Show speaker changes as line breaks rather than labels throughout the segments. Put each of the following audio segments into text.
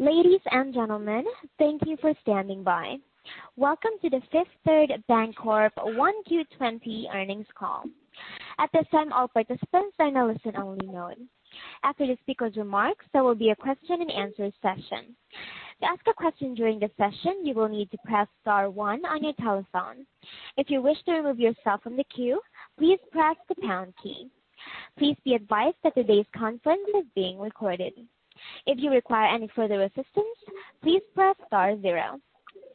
Ladies and gentlemen, thank you for standing by. Welcome to the Fifth Third Bancorp Q1 2020 earnings call. At this time, all participants are on a listen-only mode. After the speaker's remarks, there will be a question-and-answer session. To ask a question during the session, you will need to press star one on your telephone. If you wish to remove yourself from the queue, please press the pound key. Please be advised that today's conference is being recorded. If you require any further assistance, please press star zero.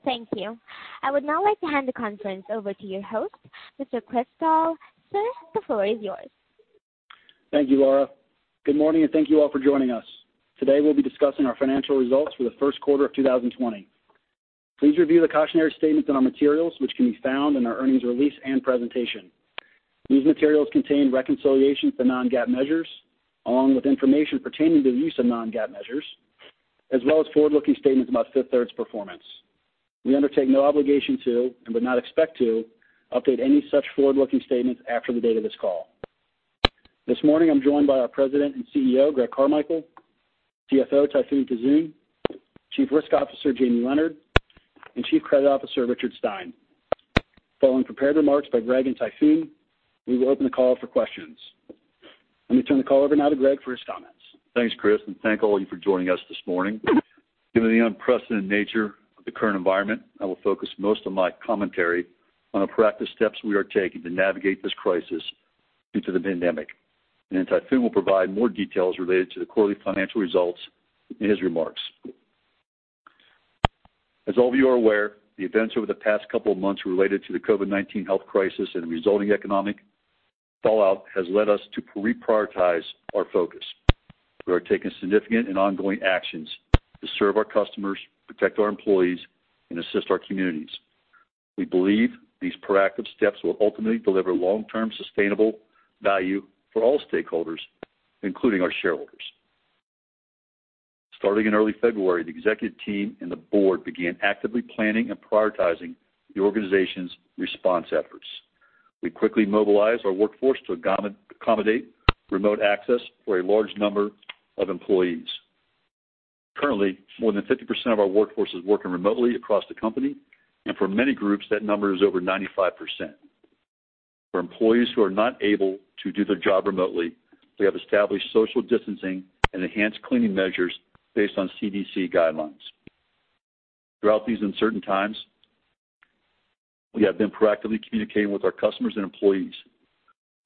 Thank you. I would now like to hand the conference over to your host, Mr. Chris Doll. Sir, the floor is yours.
Thank you, Laura. Good morning, and thank you all for joining us. Today, we'll be discussing our financial results for the Q1 2020. Please review the cautionary statements in our materials, which can be found in our earnings release and presentation. These materials contain reconciliations to non-GAAP measures, along with information pertaining to the use of non-GAAP measures, as well as forward-looking statements about Fifth Third's performance. We undertake no obligation to, and would not expect to, update any such forward-looking statements after the date of this call. This morning, I'm joined by our President and CEO, Greg Carmichael, CFO, Tayfun Tuzun, Chief Risk Officer, Jamie Leonard, and Chief Credit Officer, Richard Stein. Following prepared remarks by Greg and Tayfun, we will open the call for questions. Let me turn the call over now to Greg for his comments.
Thanks, Chris, and thank all of you for joining us this morning. Given the unprecedented nature of the current environment, I will focus most of my commentary on the practice steps we are taking to navigate this crisis due to the pandemic, and Tayfun will provide more details related to the quarterly financial results and his remarks. As all of you are aware, the events over the past couple of months related to the COVID-19 health crisis and the resulting economic fallout has led us to reprioritize our focus. We are taking significant and ongoing actions to serve our customers, protect our employees, and assist our communities. We believe these proactive steps will ultimately deliver long-term sustainable value for all stakeholders, including our shareholders. Starting in early February, the executive team and the board began actively planning and prioritizing the organization's response efforts. We quickly mobilized our workforce to accommodate remote access for a large number of employees. Currently, more than 50% of our workforce is working remotely across the company, and for many groups, that number is over 95%. For employees who are not able to do their job remotely, we have established social distancing and enhanced cleaning measures based on CDC guidelines. Throughout these uncertain times, we have been proactively communicating with our customers and employees.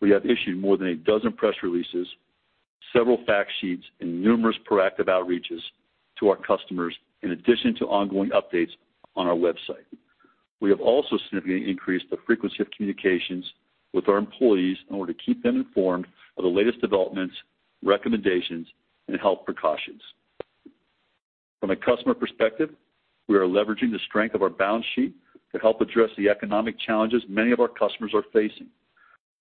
We have issued more than a dozen press releases, several fact sheets, and numerous proactive outreaches to our customers, in addition to ongoing updates on our website. We have also significantly increased the frequency of communications with our employees in order to keep them informed of the latest developments, recommendations, and health precautions. From a customer perspective, we are leveraging the strength of our balance sheet to help address the economic challenges many of our customers are facing.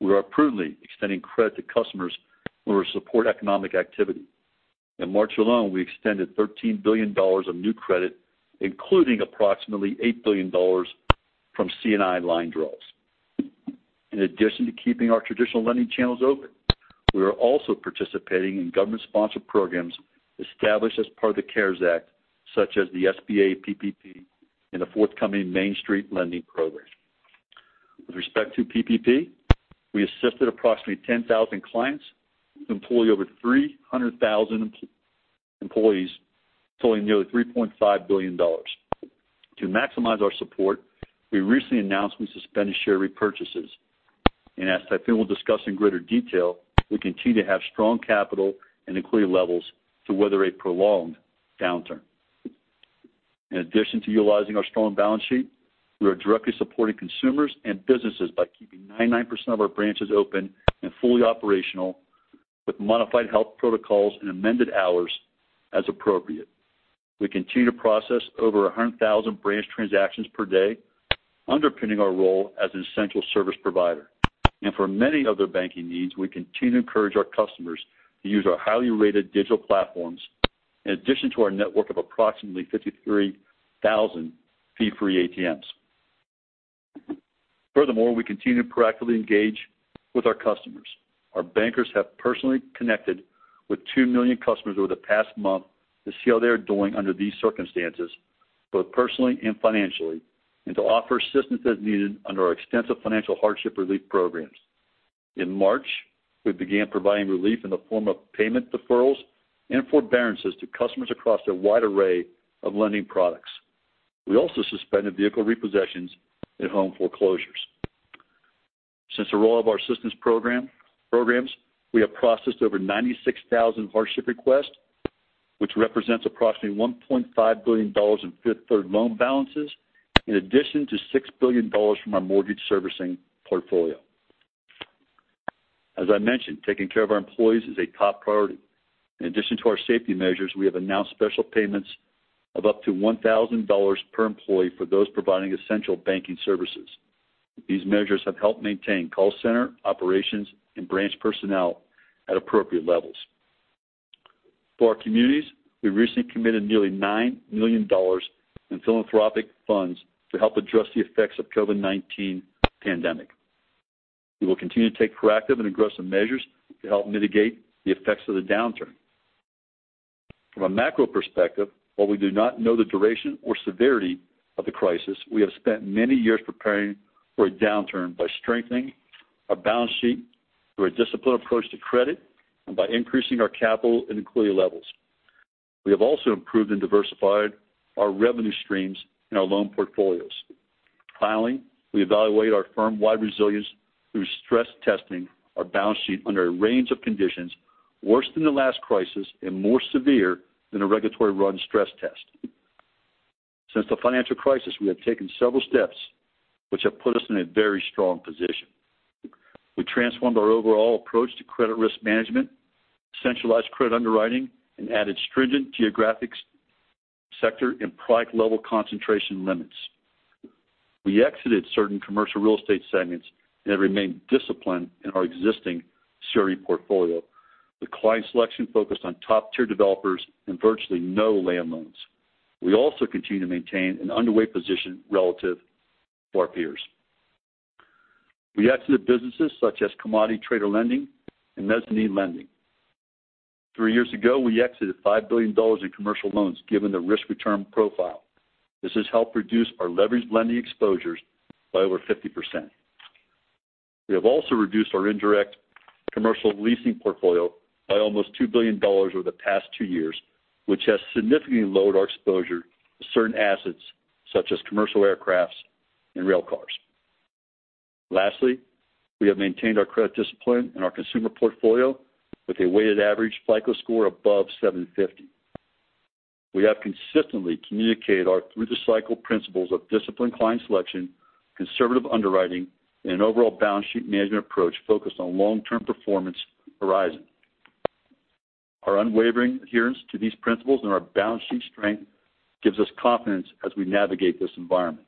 We are prudently extending credit to customers in order to support economic activity. In March alone, we extended $13 billion of new credit, including approximately $8 billion from C&I line draws. In addition to keeping our traditional lending channels open, we are also participating in government-sponsored programs established as part of the CARES Act, such as the SBA PPP and the forthcoming Main Street Lending Program. With respect to PPP, we assisted approximately 10,000 clients who employ over 300,000 employees, totaling nearly $3.5 billion. To maximize our support, we recently announced we suspended share repurchases, and as Tayfun will discuss in greater detail, we continue to have strong capital and liquidity levels to weather a prolonged downturn. In addition to utilizing our strong balance sheet, we are directly supporting consumers and businesses by keeping 99% of our branches open and fully operational, with modified health protocols and amended hours as appropriate. We continue to process over 100,000 branch transactions per day, underpinning our role as an essential service provider, and for many other banking needs, we continue to encourage our customers to use our highly rated digital platforms, in addition to our network of approximately 53,000 fee-free ATMs. Furthermore, we continue to proactively engage with our customers. Our bankers have personally connected with two million customers over the past month to see how they are doing under these circumstances, both personally and financially, and to offer assistance as needed under our extensive financial hardship relief programs. In March, we began providing relief in the form of payment deferrals and forbearances to customers across a wide array of lending products. We also suspended vehicle repossessions and home foreclosures. Since the rollout of our assistance programs, we have processed over 96,000 hardship requests, which represents approximately $1.5 billion in Fifth Third Bancorp loan balances, in addition to $6 billion from our mortgage servicing portfolio. As I mentioned, taking care of our employees is a top priority. In addition to our safety measures, we have announced special payments of up to $1,000 per employee for those providing essential banking services. These measures have helped maintain call center operations and branch personnel at appropriate levels. For our communities, we recently committed nearly $9 million in philanthropic funds to help address the effects of the COVID-19 pandemic. We will continue to take proactive and aggressive measures to help mitigate the effects of the downturn. From a macro perspective, while we do not know the duration or severity of the crisis, we have spent many years preparing for a downturn by strengthening our balance sheet through a disciplined approach to credit and by increasing our capital and liquidity levels. We have also improved and diversified our revenue streams and our loan portfolios. Finally, we evaluate our firm-wide resilience through stress testing our balance sheet under a range of conditions worse than the last crisis and more severe than a regulatory run stress test. Since the financial crisis, we have taken several steps, which have put us in a very strong position. We transformed our overall approach to credit risk management, centralized credit underwriting, and added stringent geographic sector and product-level concentration limits. We exited certain commercial real estate segments and have remained disciplined in our existing CRE portfolio, with client selection focused on top-tier developers and virtually no land loans. We also continue to maintain an underway position relative to our peers. We exited businesses such as commodity trader lending and mezzanine lending. Three years ago, we exited $5 billion in commercial loans given the risk-return profile. This has helped reduce our leveraged lending exposures by over 50%. We have also reduced our indirect commercial leasing portfolio by almost $2 billion over the past two years, which has significantly lowered our exposure to certain assets such as commercial aircrafts and rail cars. Lastly, we have maintained our credit discipline in our consumer portfolio with a weighted average FICO score above 750. We have consistently communicated our through-the-cycle principles of disciplined client selection, conservative underwriting, and an overall balance sheet management approach focused on long-term performance horizon. Our unwavering adherence to these principles and our balance sheet strength gives us confidence as we navigate this environment.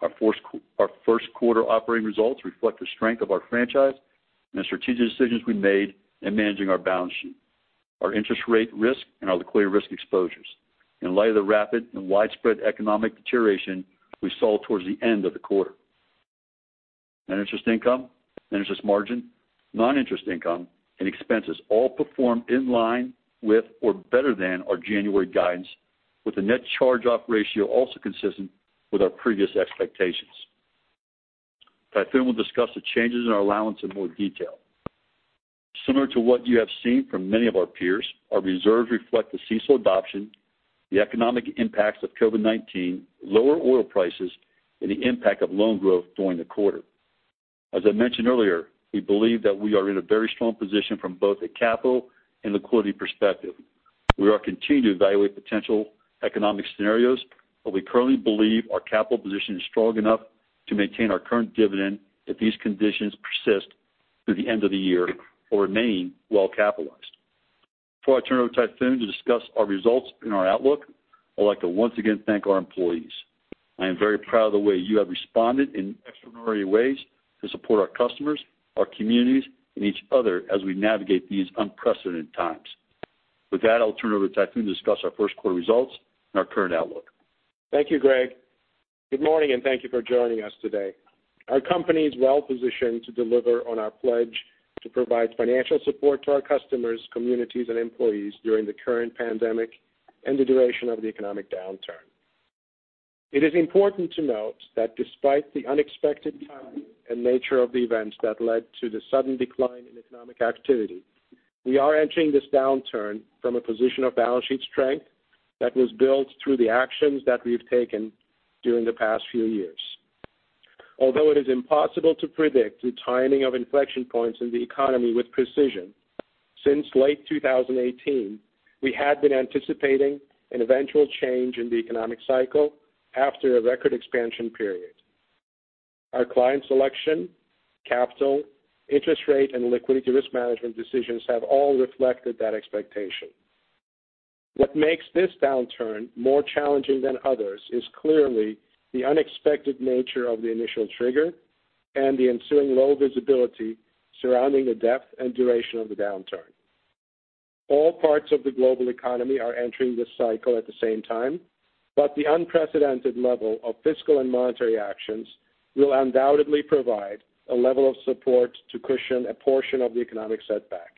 Our Q1 operating results reflect the strength of our franchise and the strategic decisions we made in managing our balance sheet, our interest rate risk, and our liquidity risk exposures. In light of the rapid and widespread economic deterioration, we stalled towards the end of the quarter. Net interest income, interest margin, non-interest income, and expenses all performed in line with or better than our January guidance, with a net charge-off ratio also consistent with our previous expectations. Tayfun will discuss the changes in our allowance in more detail. Similar to what you have seen from many of our peers, our reserves reflect the CECL adoption, the economic impacts of COVID-19, lower oil prices, and the impact of loan growth during the quarter. As I mentioned earlier, we believe that we are in a very strong position from both a capital and liquidity perspective. We are continuing to evaluate potential economic scenarios, but we currently believe our capital position is strong enough to maintain our current dividend if these conditions persist through the end of the year or remain well-capitalized. Before I turn it over to Tayfun to discuss our results and our outlook, I'd like to once again thank our employees. I am very proud of the way you have responded in extraordinary ways to support our customers, our communities, and each other as we navigate these unprecedented times. With that, I'll turn it over to Tayfun to discuss our Q1 results and our current outlook.
Thank you, Greg. Good morning, and thank you for joining us today. Our company is well-positioned to deliver on our pledge to provide financial support to our customers, communities, and employees during the current pandemic and the duration of the economic downturn. It is important to note that despite the unexpected timing and nature of the events that led to the sudden decline in economic activity, we are entering this downturn from a position of balance sheet strength that was built through the actions that we have taken during the past few years. Although it is impossible to predict the timing of inflection points in the economy with precision, since late 2018, we had been anticipating an eventual change in the economic cycle after a record expansion period. Our client selection, capital, interest rate, and liquidity risk management decisions have all reflected that expectation. What makes this downturn more challenging than others is clearly the unexpected nature of the initial trigger and the ensuing low visibility surrounding the depth and duration of the downturn. All parts of the global economy are entering this cycle at the same time, but the unprecedented level of fiscal and monetary actions will undoubtedly provide a level of support to cushion a portion of the economic setback.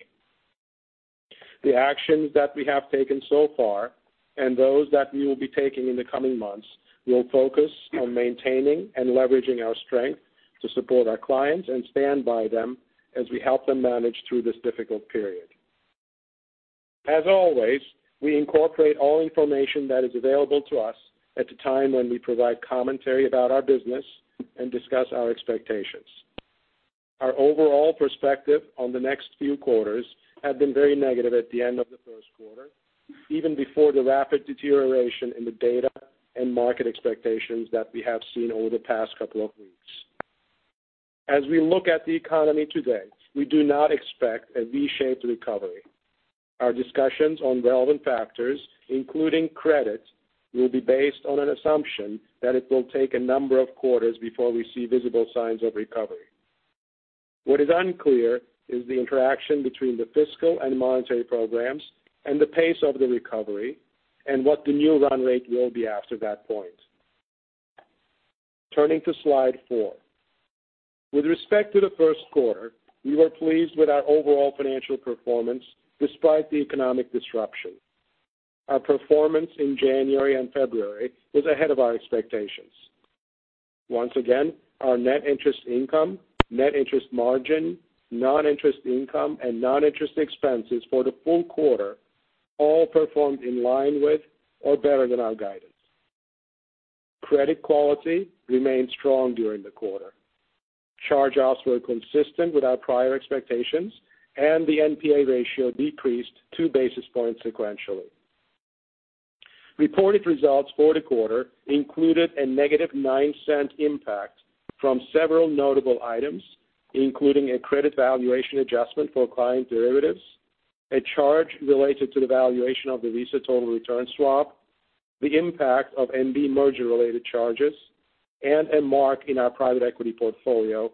The actions that we have taken so far and those that we will be taking in the coming months will focus on maintaining and leveraging our strength to support our clients and stand by them as we help them manage through this difficult period. As always, we incorporate all information that is available to us at a time when we provide commentary about our business and discuss our expectations. Our overall perspective on the next few quarters has been very negative at the end of the Q1, even before the rapid deterioration in the data and market expectations that we have seen over the past couple of weeks. As we look at the economy today, we do not expect a V-shaped recovery. Our discussions on relevant factors, including credit, will be based on an assumption that it will take a number of quarters before we see visible signs of recovery. What is unclear is the interaction between the fiscal and monetary programs and the pace of the recovery and what the new run rate will be after that point. Turning to slide four. With respect to the Q1, we were pleased with our overall financial performance despite the economic disruption. Our performance in January and February was ahead of our expectations. Once again, our net interest income, net interest margin, non-interest income, and non-interest expenses for the full quarter all performed in line with or better than our guidance. Credit quality remained strong during the quarter. Charge-offs were consistent with our prior expectations, and the NPA ratio decreased two basis points sequentially. Reported results for the quarter included a negative $0.09 impact from several notable items, including a credit valuation adjustment for client derivatives, a charge related to the valuation of the Visa total return swap, the impact of MB merger-related charges, and a mark in our private equity portfolio,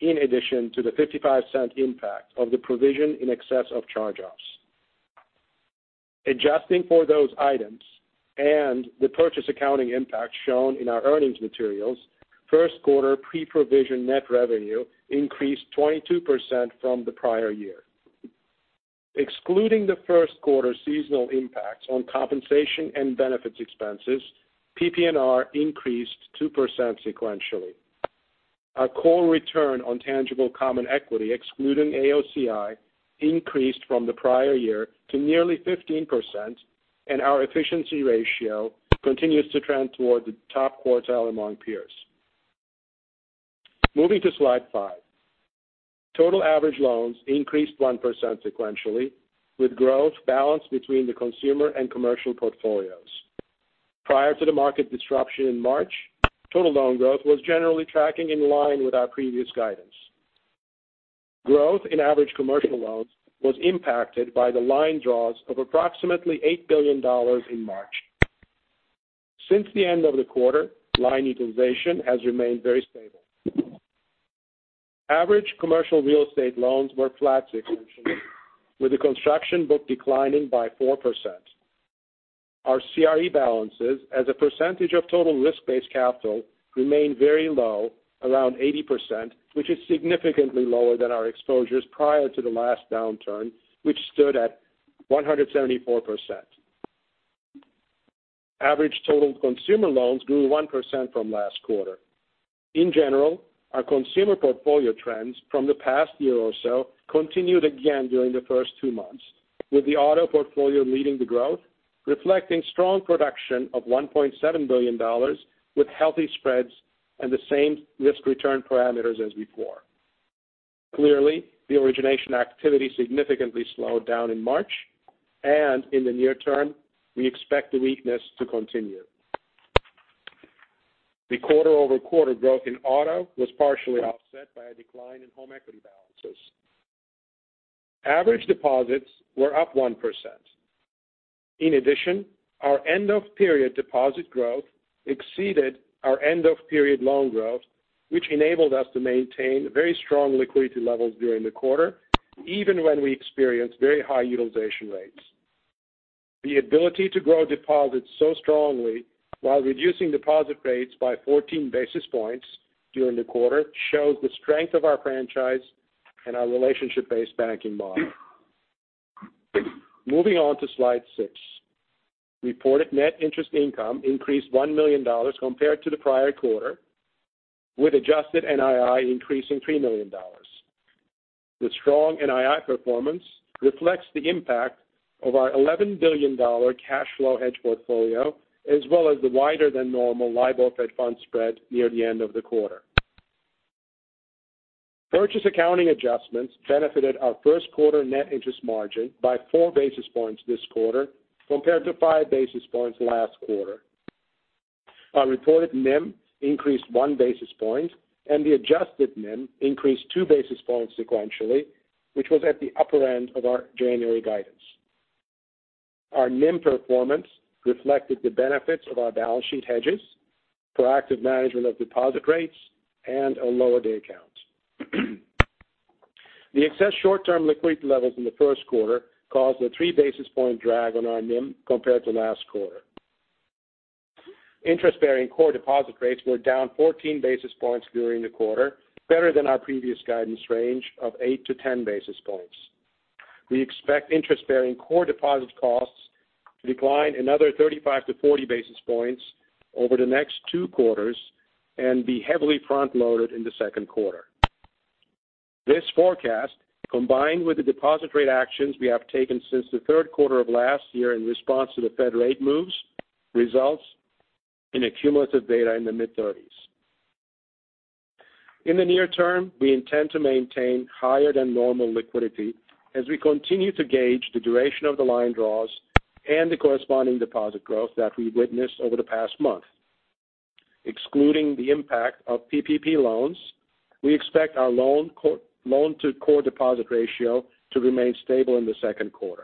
in addition to the $0.55 impact of the provision in excess of charge-offs. Adjusting for those items and the purchase accounting impact shown in our earnings materials, Q1 pre-provision net revenue increased 22% from the prior year. Excluding the Q1 seasonal impacts on compensation and benefits expenses, PPNR increased 2% sequentially. Our core return on tangible common equity, excluding AOCI, increased from the prior year to nearly 15%, and our efficiency ratio continues to trend toward the top quartile among peers. Moving to slide five. Total average loans increased 1% sequentially, with growth balanced between the consumer and commercial portfolios. Prior to the market disruption in March, total loan growth was generally tracking in line with our previous guidance. Growth in average commercial loans was impacted by the line draws of approximately $8 billion in March. Since the end of the quarter, line utilization has remained very stable. Average commercial real estate loans were flat sequentially, with the construction book declining by 4%. Our CRE balances, as a percentage of total risk-based capital, remain very low, around 80%, which is significantly lower than our exposures prior to the last downturn, which stood at 174%. Average total consumer loans grew 1% from last quarter. In general, our consumer portfolio trends from the past year or so continued again during the first two months, with the auto portfolio leading the growth, reflecting strong production of $1.7 billion with healthy spreads and the same risk-return parameters as before. Clearly, the origination activity significantly slowed down in March, and in the near term, we expect the weakness to continue. The quarter-over-quarter growth in auto was partially offset by a decline in home equity balances. Average deposits were up 1%. In addition, our end-of-period deposit growth exceeded our end-of-period loan growth, which enabled us to maintain very strong liquidity levels during the quarter, even when we experienced very high utilization rates. The ability to grow deposits so strongly while reducing deposit rates by 14 basis points during the quarter shows the strength of our franchise and our relationship-based banking model. Moving on to slide six. Reported net interest income increased $1 million compared to the prior quarter, with adjusted NII increasing $3 million. The strong NII performance reflects the impact of our $11 billion cash flow hedge portfolio, as well as the wider-than-normal LIBOR Fed fund spread near the end of the quarter. Purchase accounting adjustments benefited our Q1 net interest margin by four basis points this quarter compared to five basis points last quarter. Our reported NIM increased one basis point, and the adjusted NIM increased two basis points sequentially, which was at the upper end of our January guidance. Our NIM performance reflected the benefits of our balance sheet hedges, proactive management of deposit rates, and a lower day count. The excess short-term liquidity levels in the Q1 caused a three-basis point drag on our NIM compared to last quarter. Interest-bearing core deposit rates were down 14 basis points during the quarter, better than our previous guidance range of 8 to 10 basis points. We expect interest-bearing core deposit costs to decline another 35 to 40 basis points over the next two quarters and be heavily front-loaded in the Q2. This forecast, combined with the deposit rate actions we have taken since the Q3 of last year in response to the Fed rate moves, results in a cumulative delta in the mid-30s. In the near term, we intend to maintain higher-than-normal liquidity as we continue to gauge the duration of the line draws and the corresponding deposit growth that we witnessed over the past month. Excluding the impact of PPP loans, we expect our loan-to-core deposit ratio to remain stable in the Q2.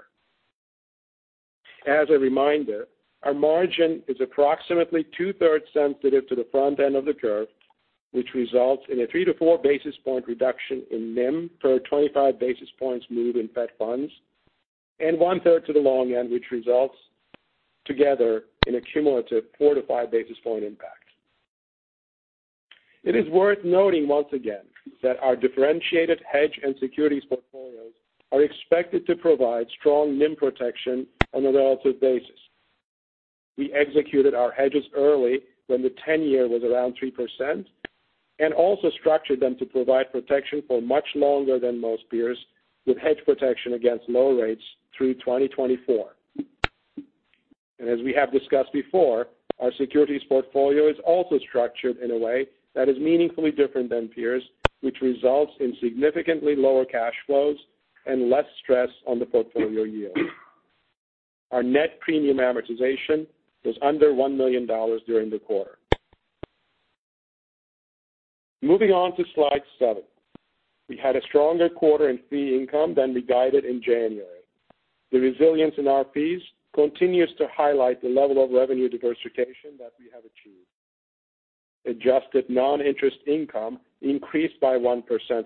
As a reminder, our margin is approximately two-thirds sensitive to the front end of the curve, which results in a three to four basis points reduction in NIM per 25 basis points move in Fed funds, and one-third to the long end, which results together in a cumulative four to five basis points impact. It is worth noting once again that our differentiated hedge and securities portfolios are expected to provide strong NIM protection on a relative basis. We executed our hedges early when the 10-year was around 3% and also structured them to provide protection for much longer than most peers with hedge protection against low rates through 2024, and as we have discussed before, our securities portfolio is also structured in a way that is meaningfully different than peers, which results in significantly lower cash flows and less stress on the portfolio yield. Our net premium amortization was under $1 million during the quarter. Moving on to slide seven. We had a stronger quarter in fee income than we guided in January. The resilience in our fees continues to highlight the level of revenue diversification that we have achieved. Adjusted non-interest income increased by 1%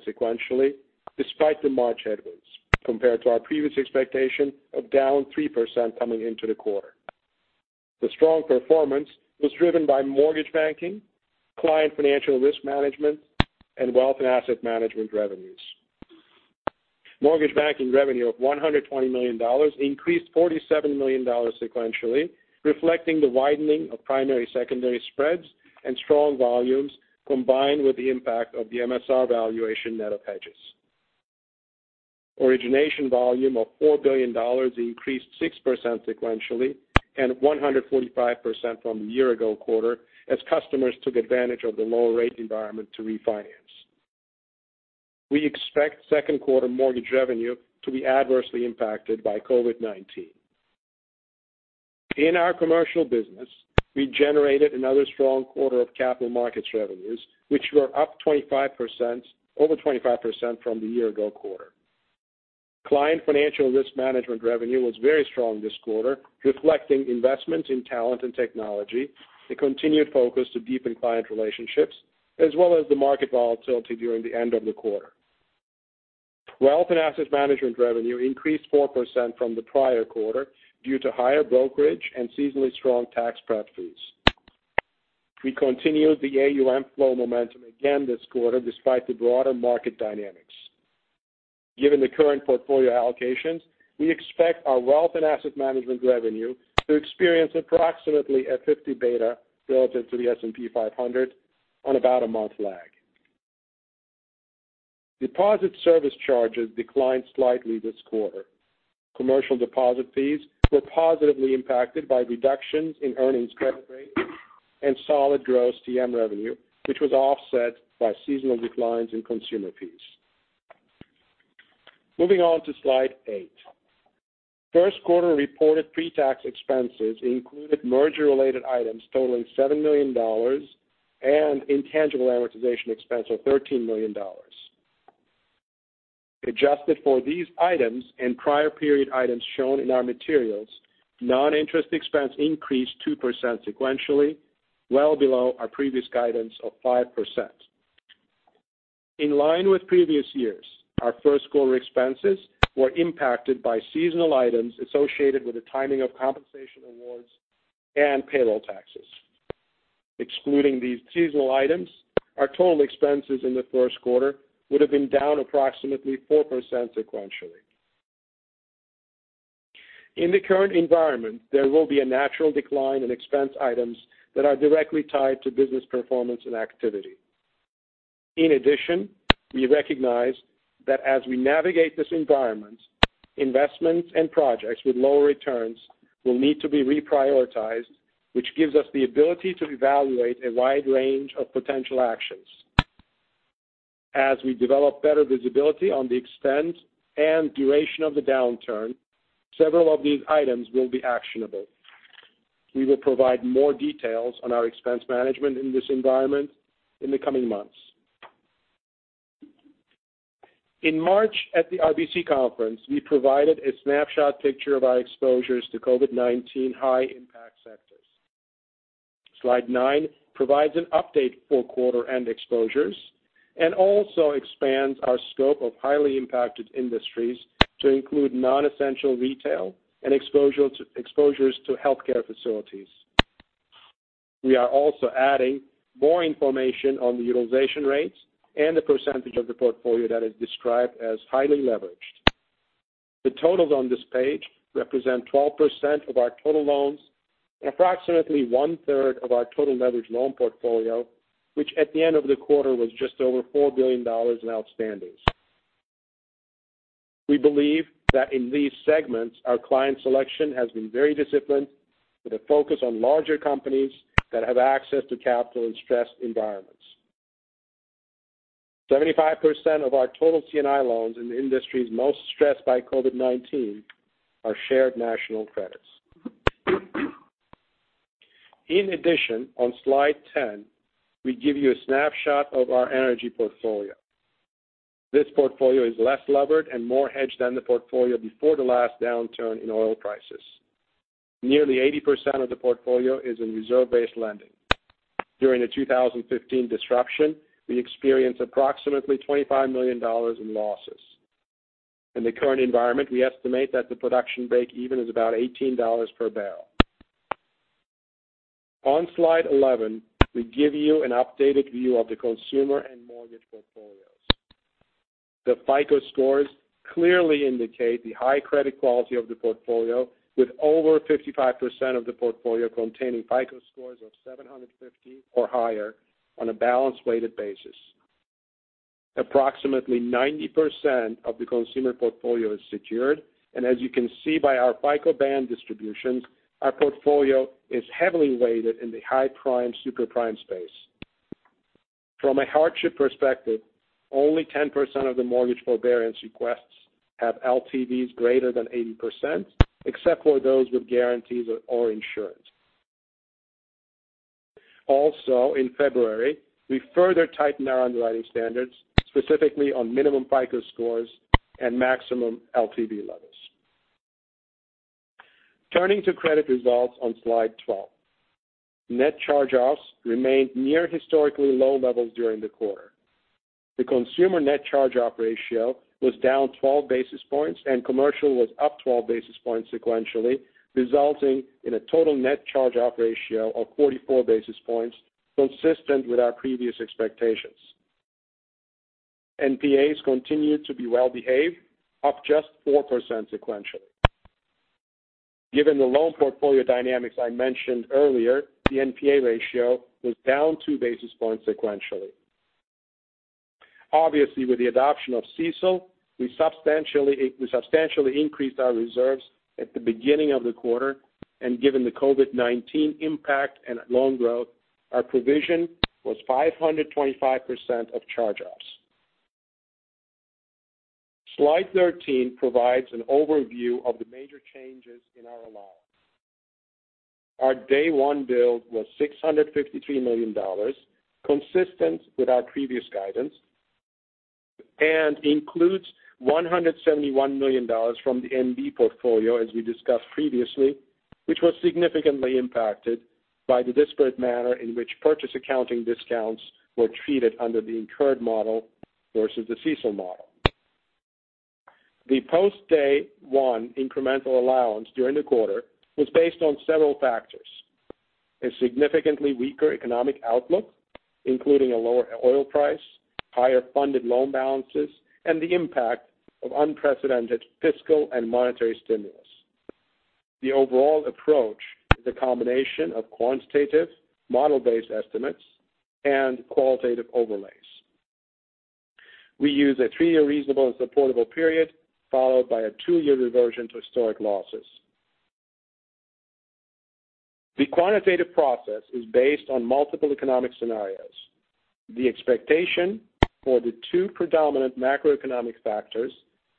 sequentially despite the March headwinds compared to our previous expectation of down 3% coming into the quarter. The strong performance was driven by mortgage banking, client financial risk management, and wealth and asset management revenues. Mortgage banking revenue of $120 million increased $47 million sequentially, reflecting the widening of primary secondary spreads and strong volumes combined with the impact of the MSR valuation net of hedges. Origination volume of $4 billion increased 6% sequentially and 145% from the year-ago quarter as customers took advantage of the lower rate environment to refinance. We expect Q2 mortgage revenue to be adversely impacted by COVID-19. In our commercial business, we generated another strong quarter of capital markets revenues, which were up 25%, over 25% from the year-ago quarter. Client financial risk management revenue was very strong this quarter, reflecting investments in talent and technology, the continued focus to deepen client relationships, as well as the market volatility during the end of the quarter. Wealth and asset management revenue increased 4% from the prior quarter due to higher brokerage and seasonally strong tax prep fees. We continued the AUM flow momentum again this quarter despite the broader market dynamics. Given the current portfolio allocations, we expect our wealth and asset management revenue to experience approximately a 50 beta relative to the S&P 500 on about a month lag. Deposit service charges declined slightly this quarter. Commercial deposit fees were positively impacted by reductions in earnings credit rate and solid gross TM revenue, which was offset by seasonal declines in consumer fees. Moving on to slide eight. Q1 reported pre-tax expenses included merger-related items totaling $7 million and intangible amortization expense of $13 million. Adjusted for these items and prior period items shown in our materials, non-interest expense increased 2% sequentially, well below our previous guidance of 5%. In line with previous years, our Q1 expenses were impacted by seasonal items associated with the timing of compensation awards and payroll taxes. Excluding these seasonal items, our total expenses in the Q1 would have been down approximately 4% sequentially. In the current environment, there will be a natural decline in expense items that are directly tied to business performance and activity. In addition, we recognize that as we navigate this environment, investments and projects with lower returns will need to be reprioritized, which gives us the ability to evaluate a wide range of potential actions. As we develop better visibility on the extent and duration of the downturn, several of these items will be actionable. We will provide more details on our expense management in this environment in the coming months. In March at the RBC Conference, we provided a snapshot picture of our exposures to COVID-19 high-impact sectors. Slide nine provides an update for quarter-end exposures and also expands our scope of highly impacted industries to include non-essential retail and exposures to healthcare facilities. We are also adding more information on the utilization rates and the percentage of the portfolio that is described as highly leveraged. The totals on this page represent 12% of our total loans and approximately 1/3 of our total leveraged loan portfolio, which at the end of the quarter was just over $4 billion in outstanding. We believe that in these segments, our client selection has been very disciplined with a focus on larger companies that have access to capital in stressed environments. 75% of our total C&I loans in the industry's most stressed by COVID-19 are shared national credits. In addition, on slide 10, we give you a snapshot of our energy portfolio. This portfolio is less levered and more hedged than the portfolio before the last downturn in oil prices. Nearly 80% of the portfolio is in reserve-based lending. During the 2015 disruption, we experienced approximately $25 million in losses. In the current environment, we estimate that the production break-even is about $18 per barrel. On slide 11, we give you an updated view of the consumer and mortgage portfolios. The FICO scores clearly indicate the high credit quality of the portfolio, with over 55% of the portfolio containing FICO scores of 750 or higher on a balance-weighted basis. Approximately 90% of the consumer portfolio is secured, and as you can see by our FICO band distributions, our portfolio is heavily weighted in the high prime/super prime space. From a hardship perspective, only 10% of the mortgage forbearance requests have LTVs greater than 80%, except for those with guarantees or insurance. Also, in February, we further tightened our underwriting standards, specifically on minimum FICO scores and maximum LTV levels. Turning to credit results on slide 12, net charge-offs remained near historically low levels during the quarter. The consumer net charge-off ratio was down 12 basis points, and commercial was up 12 basis points sequentially, resulting in a total net charge-off ratio of 44 basis points consistent with our previous expectations. NPAs continued to be well-behaved, up just 4% sequentially. Given the loan portfolio dynamics I mentioned earlier, the NPA ratio was down two basis points sequentially. Obviously, with the adoption of CECL, we substantially increased our reserves at the beginning of the quarter, and given the COVID-19 impact and loan growth, our provision was 525% of charge-offs. Slide 13 provides an overview of the major changes in our allowance. Our day-one build was $653 million, consistent with our previous guidance, and includes $171 million from the NB portfolio, as we discussed previously, which was significantly impacted by the disparate manner in which purchase accounting discounts were treated under the incurred model versus the CECL model. The post-day-one incremental allowance during the quarter was based on several factors: a significantly weaker economic outlook, including a lower oil price, higher funded loan balances, and the impact of unprecedented fiscal and monetary stimulus. The overall approach is a combination of quantitative, model-based estimates, and qualitative overlays. We use a three-year reasonable and supportable period, followed by a two-year reversion to historic losses. The quantitative process is based on multiple economic scenarios. The expectation for the two predominant macroeconomic factors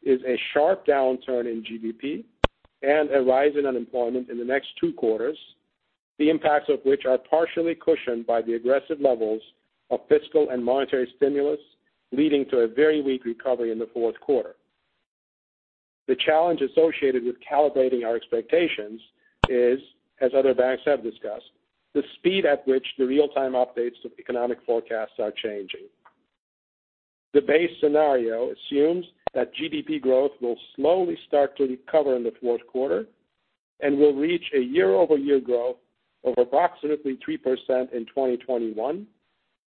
is a sharp downturn in GDP and a rise in unemployment in the next two quarters, the impacts of which are partially cushioned by the aggressive levels of fiscal and monetary stimulus, leading to a very weak recovery in the Q4. The challenge associated with calibrating our expectations is, as other banks have discussed, the speed at which the real-time updates to economic forecasts are changing. The base scenario assumes that GDP growth will slowly start to recover in the Q4 and will reach a year-over-year growth of approximately 3% in 2021,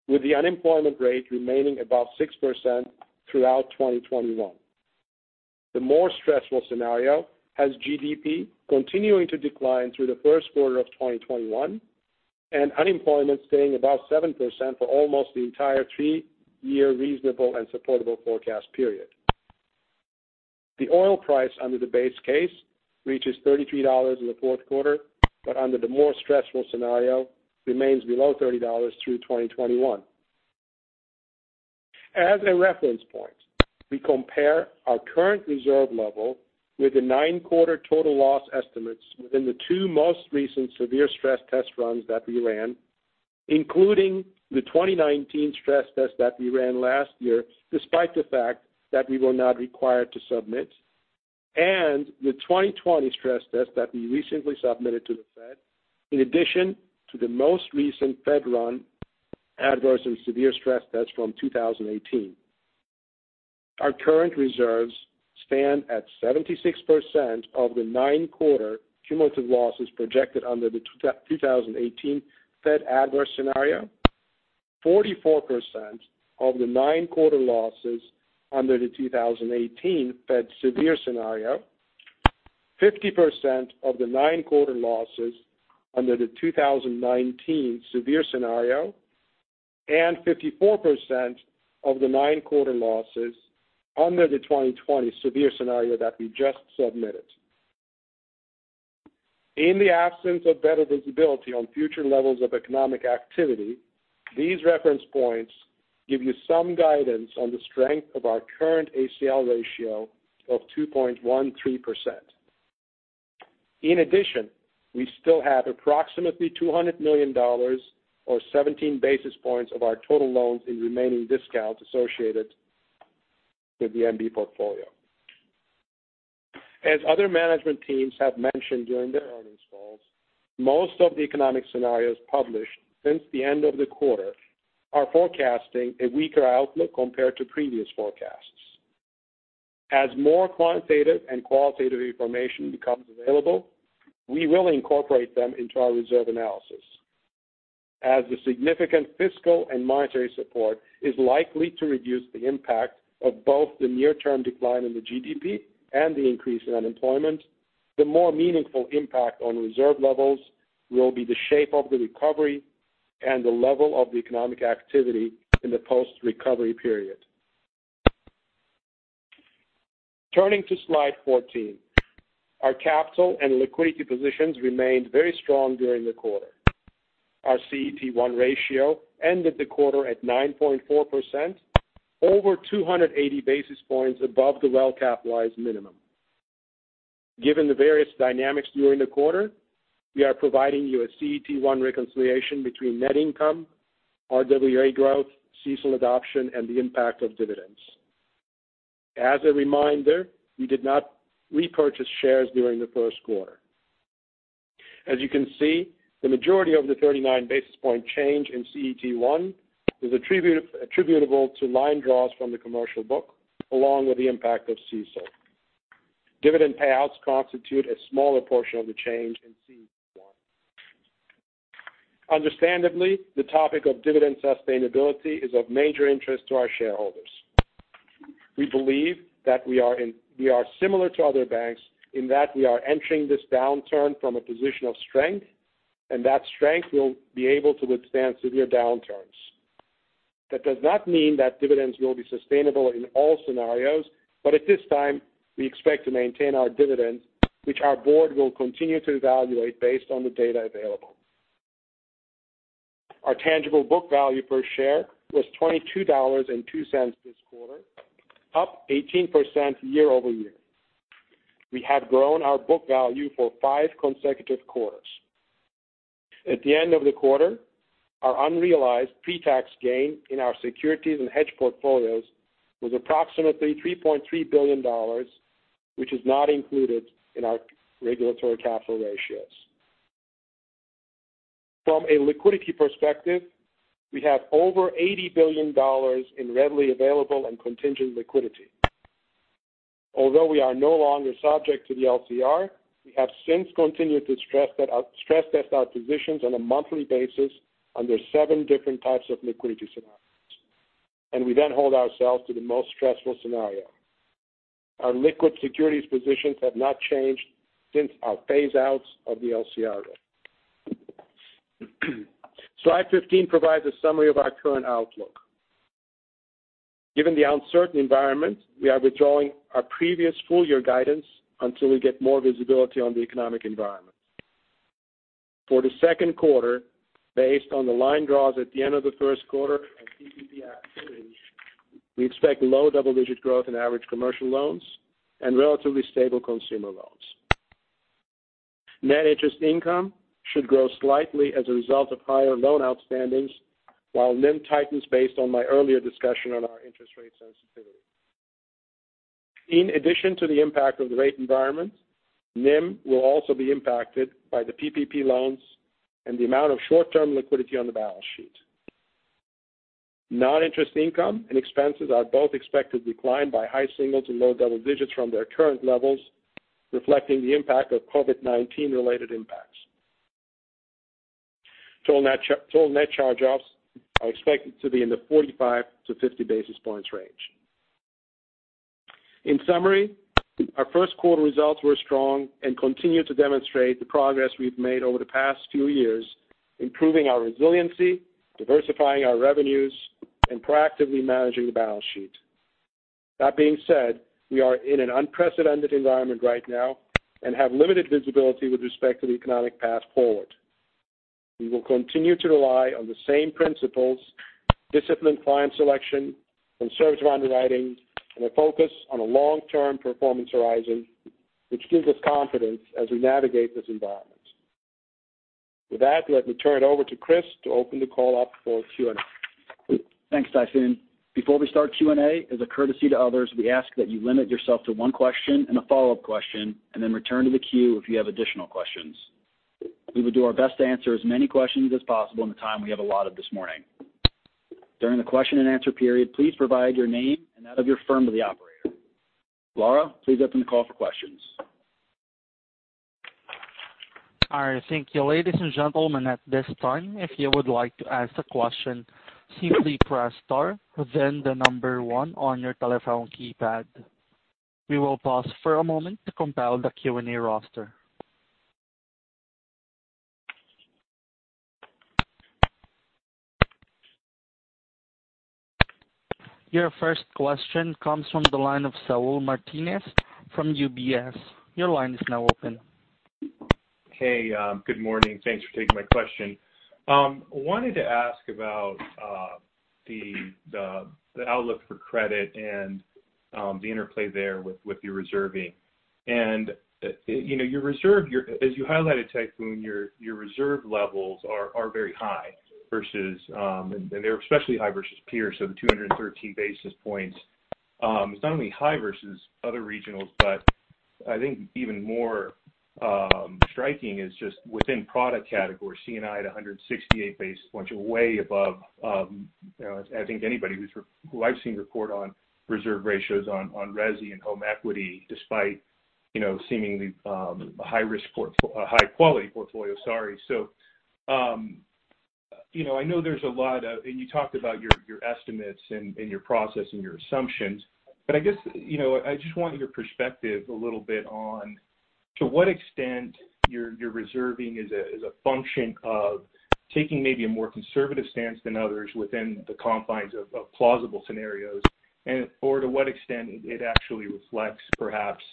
with the unemployment rate remaining about 6% throughout 2021. The more stressful scenario has GDP continuing to decline through the Q1 of 2021 and unemployment staying about 7% for almost the entire three-year reasonable and supportable forecast period. The oil price under the base case reaches $33 in the Q4, but under the more stressful scenario, remains below $30 through 2021. As a reference point, we compare our current reserve level with the nine-quarter total loss estimates within the two most recent severe stress test runs that we ran, including the 2019 stress test that we ran last year, despite the fact that we were not required to submit, and the 2020 stress test that we recently submitted to the Fed, in addition to the most recent Fed-run adverse and severe stress test from 2018. Our current reserves stand at 76% of the nine-quarter cumulative losses projected under the 2018 Fed adverse scenario, 44% of the nine-quarter losses under the 2018 Fed severe scenario, 50% of the nine-quarter losses under the 2019 severe scenario, and 54% of the nine-quarter losses under the 2020 severe scenario that we just submitted. In the absence of better visibility on future levels of economic activity, these reference points give you some guidance on the strength of our current ACL ratio of 2.13%. In addition, we still have approximately $200 million or 17 basis points of our total loans in remaining discounts associated with the NB portfolio. As other management teams have mentioned during their earnings calls, most of the economic scenarios published since the end of the quarter are forecasting a weaker outlook compared to previous forecasts. As more quantitative and qualitative information becomes available, we will incorporate them into our reserve analysis. As the significant fiscal and monetary support is likely to reduce the impact of both the near-term decline in the GDP and the increase in unemployment, the more meaningful impact on reserve levels will be the shape of the recovery and the level of the economic activity in the post-recovery period. Turning to slide 14, our capital and liquidity positions remained very strong during the quarter. Our CET1 ratio ended the quarter at 9.4%, over 280 basis points above the well-capitalized minimum. Given the various dynamics during the quarter, we are providing you a CET1 reconciliation between net income, RWA growth, CECL adoption, and the impact of dividends. As a reminder, we did not repurchase shares during the Q1. As you can see, the majority of the 39 basis point change in CET1 is attributable to line draws from the commercial book, along with the impact of CECL. Dividend payouts constitute a smaller portion of the change in CET1. Understandably, the topic of dividend sustainability is of major interest to our shareholders. We believe that we are similar to other banks in that we are entering this downturn from a position of strength, and that strength will be able to withstand severe downturns. That does not mean that dividends will be sustainable in all scenarios, but at this time, we expect to maintain our dividends, which our board will continue to evaluate based on the data available. Our tangible book value per share was $22.02 this quarter, up 18% year-over-year. We have grown our book value for five consecutive quarters. At the end of the quarter, our unrealized pre-tax gain in our securities and hedge portfolios was approximately $3.3 billion, which is not included in our regulatory capital ratios. From a liquidity perspective, we have over $80 billion in readily available and contingent liquidity. Although we are no longer subject to the LCR, we have since continued to stress test our positions on a monthly basis under seven different types of liquidity scenarios, and we then hold ourselves to the most stressful scenario. Our liquid securities positions have not changed since our phase-outs of the LCR rate. Slide 15 provides a summary of our current outlook. Given the uncertain environment, we are withdrawing our previous full-year guidance until we get more visibility on the economic environment. For the Q2, based on the line draws at the end of the Q1 and PPP activity, we expect low double-digit growth in average commercial loans and relatively stable consumer loans. Net interest income should grow slightly as a result of higher loan outstandings, while NIM tightens based on my earlier discussion on our interest rate sensitivity. In addition to the impact of the rate environment, NIM will also be impacted by the PPP loans and the amount of short-term liquidity on the balance sheet. Non-interest income and expenses are both expected to decline by high single-digit to low double-digit from their current levels, reflecting the impact of COVID-19-related impacts. Total net charge-offs are expected to be in the 45 to 50 basis points range. In summary, our Q1 results were strong and continue to demonstrate the progress we've made over the past few years, improving our resiliency, diversifying our revenues, and proactively managing the balance sheet. That being said, we are in an unprecedented environment right now and have limited visibility with respect to the economic path forward. We will continue to rely on the same principles: disciplined client selection, conservative underwriting, and a focus on a long-term performance horizon, which gives us confidence as we navigate this environment. With that, let me turn it over to Chris to open the call up for Q&A.
Thanks, Tayfun. Before we start Q&A, as a courtesy to others, we ask that you limit yourself to one question and a follow-up question, and then return to the queue if you have additional questions. We will do our best to answer as many questions as possible in the time we have allotted this morning. During the question-and-answer period, please provide your name and that of your firm to the operator. Laura, please open the call for questions.
All right. Thank you, ladies and gentlemen. At this time, if you would like to ask a question, simply press star, then the number one on your telephone keypad. We will pause for a moment to compile the Q&A roster. Your first question comes from the line of Saul Martinez from UBS. Your line is now open.
Hey, good morning. Thanks for taking my question. I wanted to ask about the outlook for credit and the interplay there with your reserving and your reserve, as you highlighted, Tayfun, your reserve levels are very high versus... and they're especially high versus peers, so the 213 basis points. It's not only high versus other regionals, but I think even more striking is just within product categories, C&I at 168 basis points, way above I think anybody who I've seen report on reserve ratios on resi and home equity, despite seemingly a high-quality portfolio. Sorry. So I know there's a lot of—and you talked about your estimates and your process and your assumptions, but I guess I just want your perspective a little bit on to what extent your reserving is a function of taking maybe a more conservative stance than others within the confines of plausible scenarios, and/or to what extent it actually reflects perhaps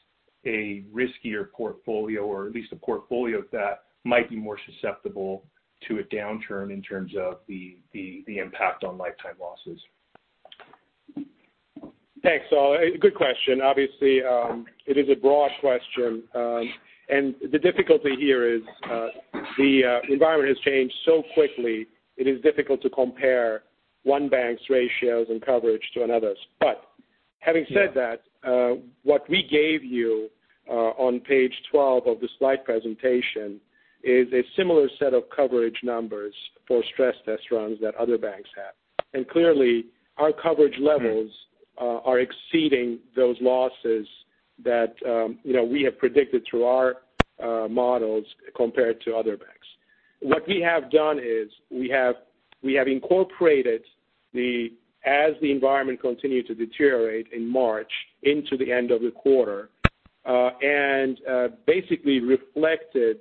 a riskier portfolio or at least a portfolio that might be more susceptible to a downturn in terms of the impact on lifetime losses.
Thanks. So good question. Obviously, it is a broad question. The difficulty here is the environment has changed so quickly. It is difficult to compare one bank's ratios and coverage to another's. Having said that, what we gave you on page 12 of the slide presentation is a similar set of coverage numbers for stress test runs that other banks have. Clearly, our coverage levels are exceeding those losses that we have predicted through our models compared to other banks. What we have done is we have incorporated, as the environment continued to deteriorate in March into the end of the quarter, and basically reflected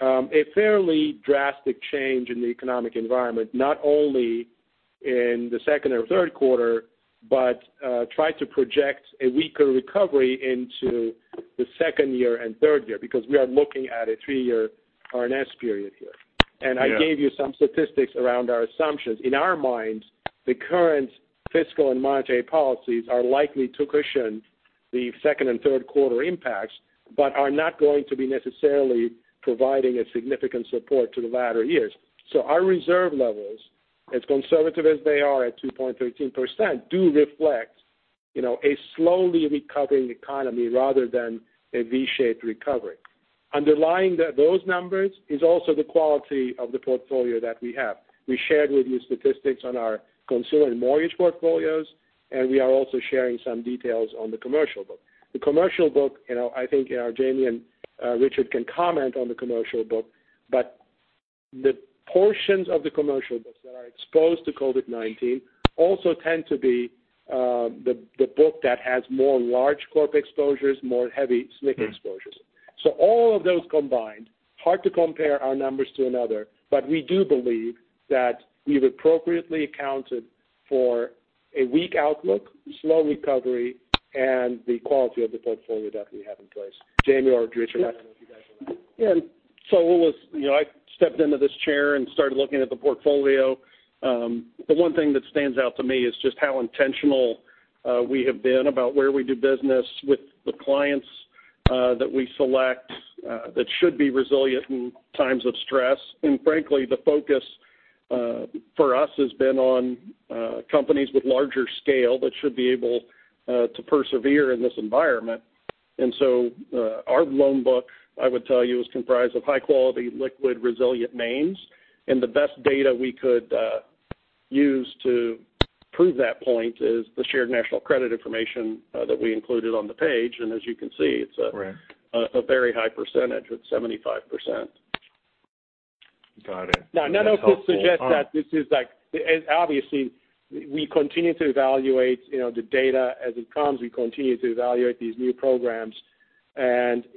a fairly drastic change in the economic environment, not only in the Q2 or Q3, but tried to project a weaker recovery into the second year and third year because we are looking at a three-year R&S period here. I gave you some statistics around our assumptions. In our minds, the current fiscal and monetary policies are likely to cushion the Q2 and Q3 impacts but are not going to be necessarily providing a significant support to the latter years. So our reserve levels, as conservative as they are at 2.13%, do reflect a slowly recovering economy rather than a V-shaped recovery. Underlying those numbers is also the quality of the portfolio that we have. We shared with you statistics on our consumer and mortgage portfolios, and we are also sharing some details on the commercial book. The commercial book, I think Jamie and Richard can comment on the commercial book, but the portions of the commercial books that are exposed to COVID-19 also tend to be the book that has more large-corp exposures, more heavy SNC exposures. So all of those combined, hard to compare our numbers to another, but we do believe that we've appropriately accounted for a weak outlook, slow recovery, and the quality of the portfolio that we have in place. Jamie or Richard, I don't know if you guys will add.
Yeah. So I stepped into this chair and started looking at the portfolio. The one thing that stands out to me is just how intentional we have been about where we do business with the clients that we select that should be resilient in times of stress. And frankly, the focus for us has been on companies with larger scale that should be able to persevere in this environment. And so our loan book, I would tell you, is comprised of high-quality, liquid, resilient names. The best data we could use to prove that point is the shared national credit information that we included on the page. And as you can see, it's a very high percentage at 75%.
Got it.
Now, none of this suggests that this is obviously. We continue to evaluate the data as it comes. We continue to evaluate these new programs. And at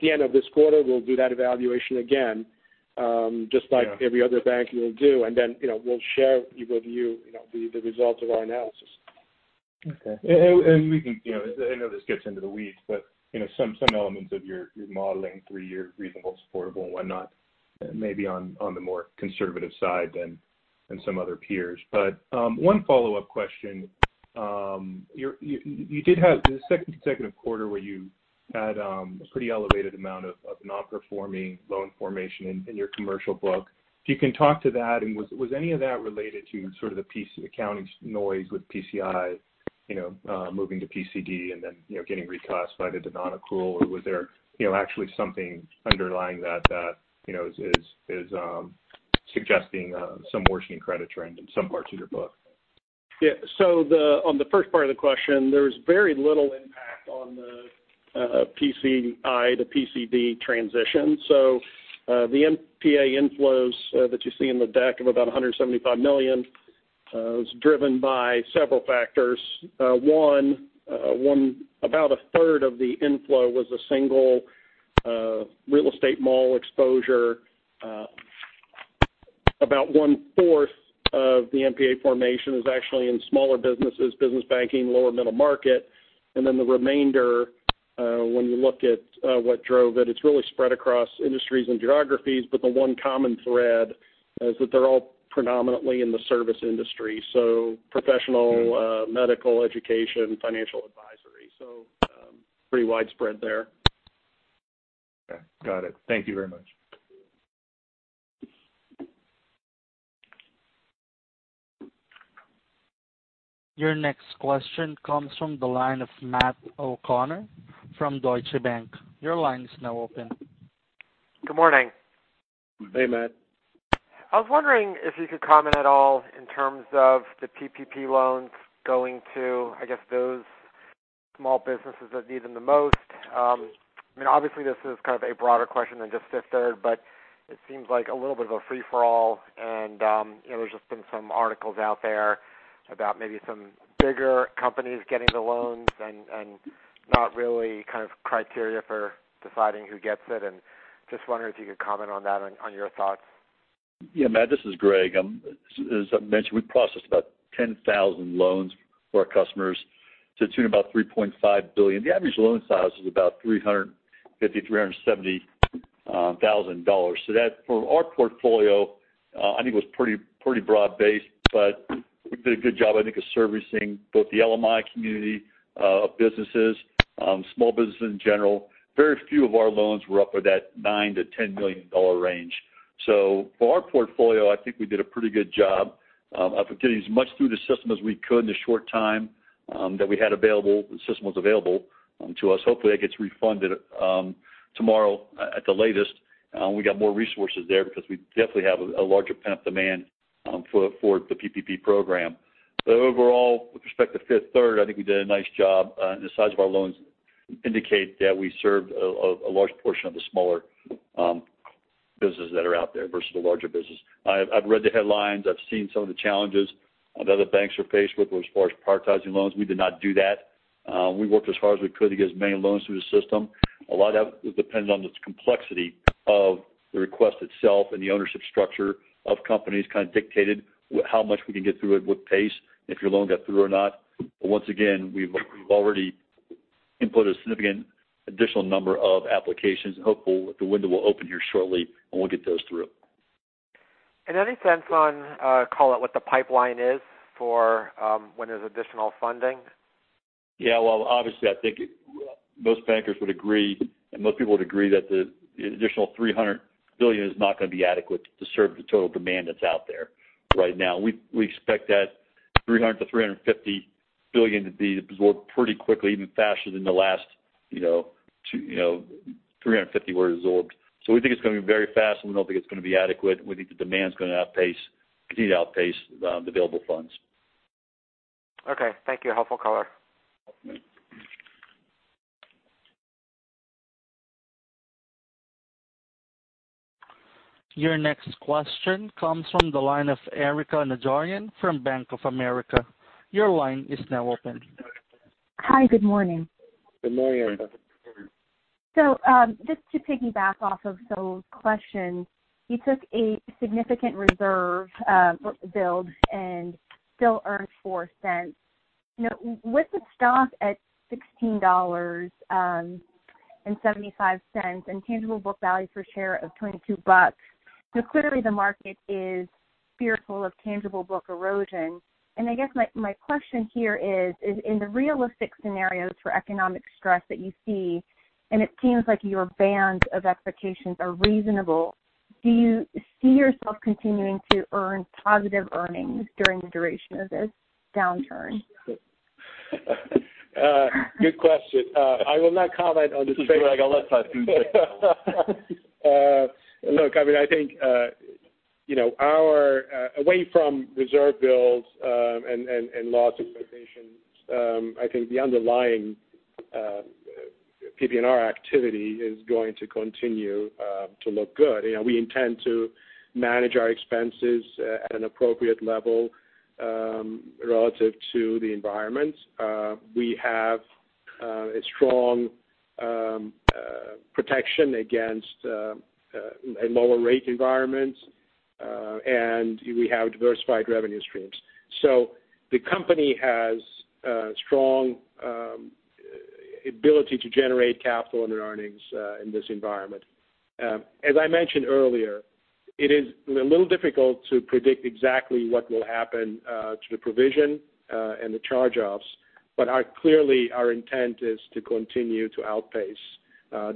the end of this quarter, we'll do that evaluation again, just like every other bank will do. And then we'll share with you the results of our analysis.
Okay. And I know this gets into the weeds, but some elements of your modeling through your reasonable, supportable, and whatnot may be on the more conservative side than some other peers. But one follow-up question. You did have the second consecutive quarter where you had a pretty elevated amount of non-performing loan formation in your commercial book. If you can talk to that, and was any of that related to sort of the accounting noise with PCI moving to PCD and then getting reclassified into non-accrual, or was there actually something underlying that that is suggesting some worsening credit trend in some parts of your book?
Yeah. So on the first part of the question, there was very little impact on the PCI to PCD transition. So the NPA inflows that you see in the deck of about $175 million was driven by several factors. One, about a third of the inflow was a single real estate mall exposure. About 1/4 of the NPA formation is actually in smaller businesses, business banking, lower middle market. And then the remainder, when you look at what drove it, it's really spread across industries and geographies, but the one common thread is that they're all predominantly in the service industry. So, professional, medical, education, financial advisory. So pretty widespread there.
Okay. Got it. Thank you very much.
Your next question comes from the line of Matt O'Connor from Deutsche Bank. Your line is now open.
Good morning.
Hey, Matt.
I was wondering if you could comment at all in terms of the PPP loans going to, I guess, those small businesses that need them the most. I mean, obviously, this is kind of a broader question than just Fifth Third Bancorp, but it seems like a little bit of a free-for-all. And there's just been some articles out there about maybe some bigger companies getting the loans and not really kind of criteria for deciding who gets it. And just wondering if you could comment on that and on your thoughts.
Yeah, Matt. This is Greg. As I mentioned, we processed about 10,000 loans for our customers to the tune of about $3.5 billion. The average loan size is about $350,000 to 370,000. So for our portfolio, I think it was pretty broad-based, but we did a good job, I think, of servicing both the LMI community of businesses, small businesses in general. Very few of our loans were up at that $9 to 10 million range. So for our portfolio, I think we did a pretty good job of getting as much through the system as we could in the short time that we had available. The system was available to us. Hopefully, that gets refunded tomorrow at the latest. We got more resources there because we definitely have a larger pending demand for the PPP program. But overall, with respect to Fifth Third Bancorp, I think we did a nice job. The size of our loans indicates that we served a large portion of the smaller businesses that are out there versus the larger business. I've read the headlines. I've seen some of the challenges that other banks are faced with as far as prioritizing loans. We did not do that. We worked as hard as we could to get as many loans through the system. A lot of that was dependent on the complexity of the request itself and the ownership structure of companies kind of dictated how much we can get through it with pace and if your loan got through or not. But once again, we've already input a significant additional number of applications. And hopefully, the window will open here shortly, and we'll get those through.
And any sense on, call it, what the pipeline is for when there's additional funding?
Yeah. Obviously, I think most bankers would agree, and most people would agree that the additional $300 billion is not going to be adequate to serve the total demand that's out there right now. We expect that $300 to 350 billion to be absorbed pretty quickly, even faster than the last $350 billion were absorbed. So we think it's going to be very fast, and we don't think it's going to be adequate. We think the demand is going to continue to outpace the available funds.
Okay. Thank you. Helpful color.
Your next question comes from the line of Erika Najarian from Bank of America. Your line is now open.
Hi. Good morning.
Good morning, Erika.
So just to piggyback off of Saul's question, you took a significant reserve build and still earned $0.04. With the stock at $16.75 and tangible book value per share of $22, clearly, the market is fearful of tangible book erosion. I guess my question here is, in the realistic scenarios for economic stress that you see, and it seems like your bands of expectations are reasonable, do you see yourself continuing to earn positive earnings during the duration of this downturn?
Good question. I will not comment on his favorite.
It's Greg. I'll let Tayfun do it.
Look, I mean, I think away from reserve builds and loss expectations, I think the underlying PPNR activity is going to continue to look good. We intend to manage our expenses at an appropriate level relative to the environment. We have a strong protection against a lower-rate environment, and we have diversified revenue streams. The company has a strong ability to generate capital and earnings in this environment. As I mentioned earlier, it is a little difficult to predict exactly what will happen to the provision and the charge-offs, but clearly, our intent is to continue to outpace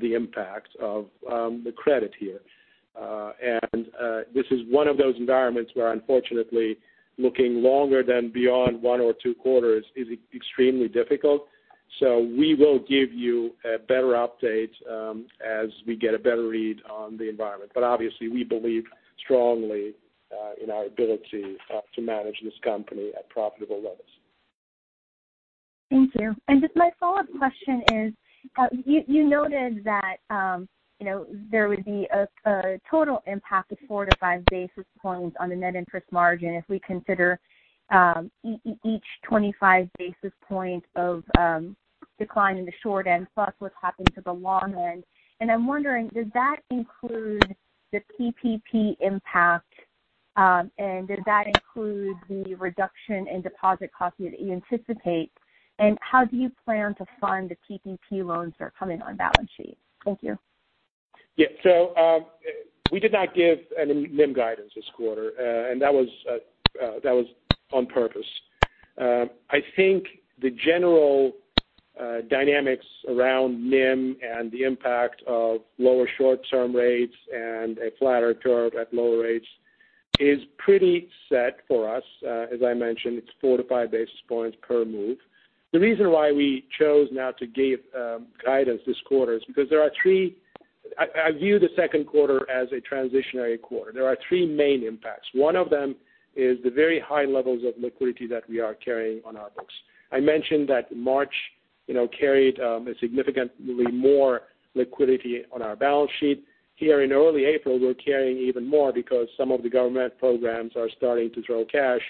the impact of the credit here, and this is one of those environments where, unfortunately, looking longer than beyond one or two quarters is extremely difficult, so we will give you a better update as we get a better read on the environment, but obviously, we believe strongly in our ability to manage this company at profitable levels.
Thank you. And just my follow-up question is, you noted that there would be a total impact of four-to-five basis points on the net interest margin if we consider each 25 basis point of decline in the short end plus what's happened to the long end. I'm wondering, does that include the PPP impact, and does that include the reduction in deposit costs that you anticipate? How do you plan to fund the PPP loans that are coming on balance sheet? Thank you.
Yeah. So we did not give any NIM guidance this quarter, and that was on purpose. I think the general dynamics around NIM and the impact of lower short-term rates and a flatter curve at lower rates is pretty set for us. As I mentioned, it's four to five basis points per move. The reason why we chose not to give guidance this quarter is because there are three, I view the Q2 as a transitionary quarter. There are three main impacts. One of them is the very high levels of liquidity that we are carrying on our books. I mentioned that March carried significantly more liquidity on our balance sheet. Here in early April, we're carrying even more because some of the government programs are starting to throw cash.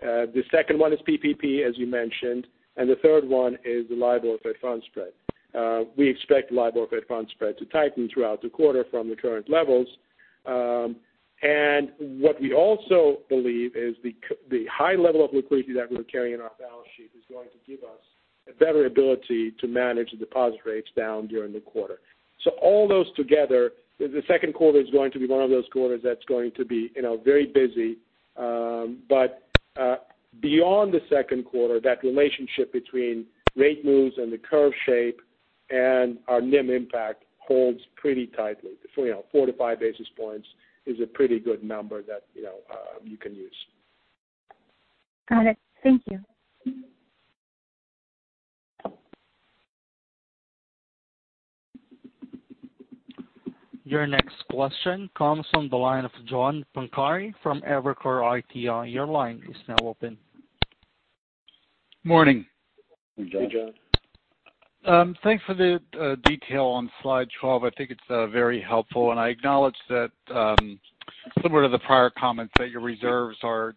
The second one is PPP, as you mentioned. And the third one is the LIBOR funding spread. We expect the LIBOR funding spread to tighten throughout the quarter from the current levels. And what we also believe is the high level of liquidity that we're carrying on our balance sheet is going to give us a better ability to manage the deposit rates down during the quarter. So all those together, the Q2 is going to be one of those quarters that's going to be very busy. But beyond the Q2, that relationship between rate moves and the curve shape and our NIM impact holds pretty tightly. Four to five basis points is a pretty good number that you can use.
Got it. Thank you.
Your next question comes from the line of John Pancari from Evercore ISI. Your line is now open.
Morning.
Hey, John.
Hey, John.
Thanks for the detail on slide 12. I think it's very helpful. And I acknowledge that similar to the prior comments that your reserves are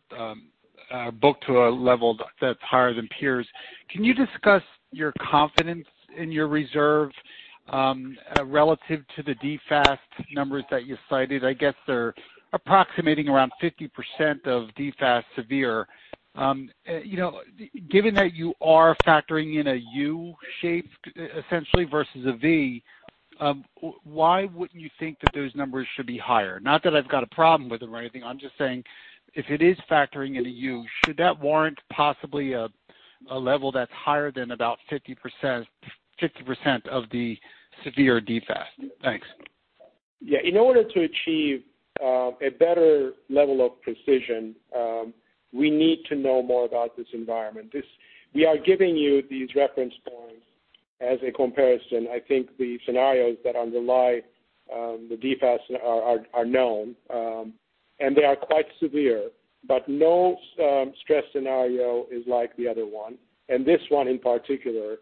booked to a level that's higher than peers. Can you discuss your confidence in your reserve relative to the DFAST numbers that you cited? I guess they're approximating around 50% of DFAST severe. Given that you are factoring in a U-shape, essentially, versus a V, why wouldn't you think that those numbers should be higher? Not that I've got a problem with them or anything. I'm just saying, if it is factoring in a U, should that warrant possibly a level that's higher than about 50% of the severe DFAST? Thanks.
Yeah. In order to achieve a better level of precision, we need to know more about this environment. We are giving you these reference points as a comparison. I think the scenarios that underlie the DFAST are known, and they are quite severe, but no stress scenario is like the other one, and this one, in particular,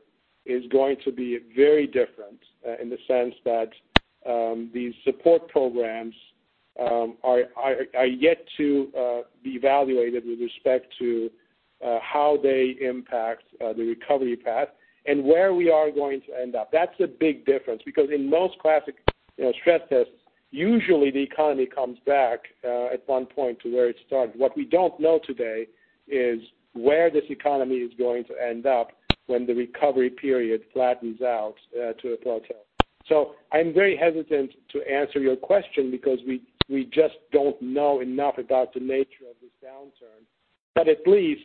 is going to be very different in the sense that these support programs are yet to be evaluated with respect to how they impact the recovery path and where we are going to end up. That's a big difference because in most classic stress tests, usually, the economy comes back at one point to where it started. What we don't know today is where this economy is going to end up when the recovery period flattens out to a plateau. So I'm very hesitant to answer your question because we just don't know enough about the nature of this downturn. But at least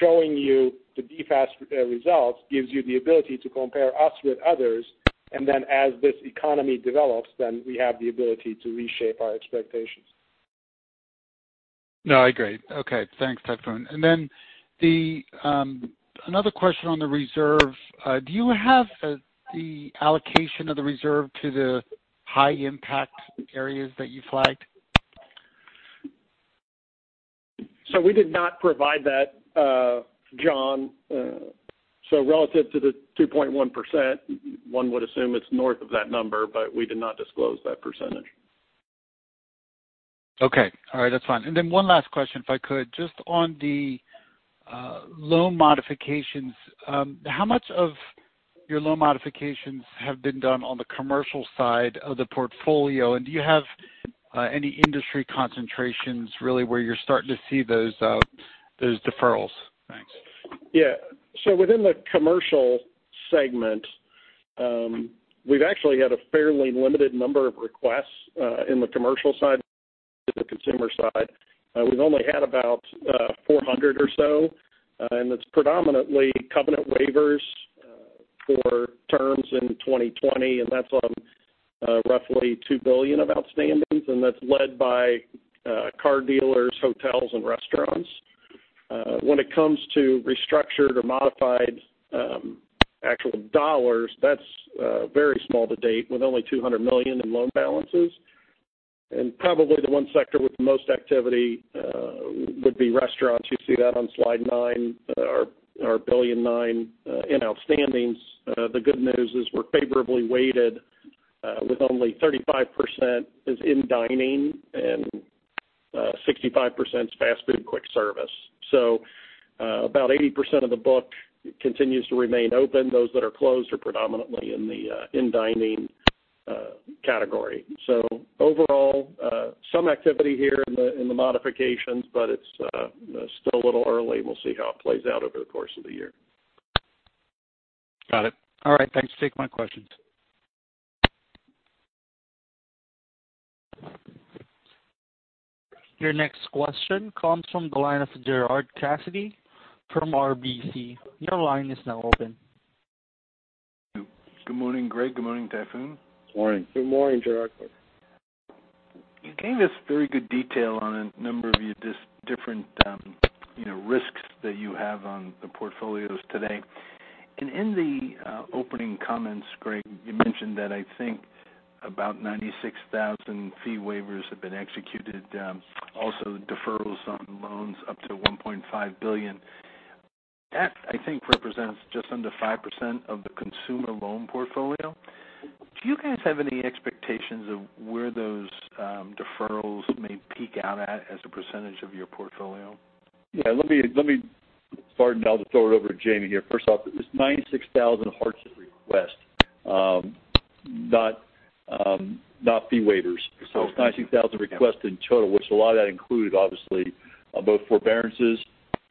showing you the DFAST results gives you the ability to compare us with others. And then as this economy develops, then we have the ability to reshape our expectations.
No, I agree. Okay. Thanks, Tayfun. And then another question on the reserve. Do you have the allocation of the reserve to the high-impact areas that you flagged?
So we did not provide that, John. So relative to the 2.1%, one would assume it's north of that number, but we did not disclose that percentage.
Okay. All right. That's fine. And then one last question, if I could. Just on the loan modifications, how much of your loan modifications have been done on the commercial side of the portfolio? And do you have any industry concentrations really where you're starting to see those deferrals? Thanks.
Yeah. So within the commercial segment, we've actually had a fairly limited number of requests in the commercial side and the consumer side. We've only had about 400 or so. And it's predominantly covenant waivers for terms in 2020. And that's on roughly $2 billion of outstandings. And that's led by car dealers, hotels, and restaurants. When it comes to restructured or modified actual dollars, that's very small to date with only $200 million in loan balances. And probably the one sector with the most activity would be restaurants. You see that on slide 9, our $9 billion in outstandings. The good news is we're favorably weighted with only 35% as dine-in and 65% as fast food, quick service. So about 80% of the book continues to remain open. Those that are closed are predominantly in the in-dining category. So overall, some activity here in the modifications, but it's still a little early. We'll see how it plays out over the course of the year.
Got it. All right. Thanks for taking my questions.
Your next question comes from the line of Gerard Cassidy from RBC. Your line is now open.
Good morning, Greg. Good morning, Tayfun.
Morning.
Good morning, Gerard.
You gave us very good detail on a number of your different risks that you have on the portfolios today. And in the opening comments, Greg, you mentioned that I think about 96,000 fee waivers have been executed, also deferrals on loans up to $1.5 billion. That, I think, represents just under 5% of the consumer loan portfolio. Do you guys have any expectations of where those deferrals may peak out at as a percentage of your portfolio?
Yeah. Let me start and I'll throw it over to Jamie here. First off, it's 96,000 hardship requests, not fee waivers. So it's 96,000 requests in total, which a lot of that included, obviously, both forbearances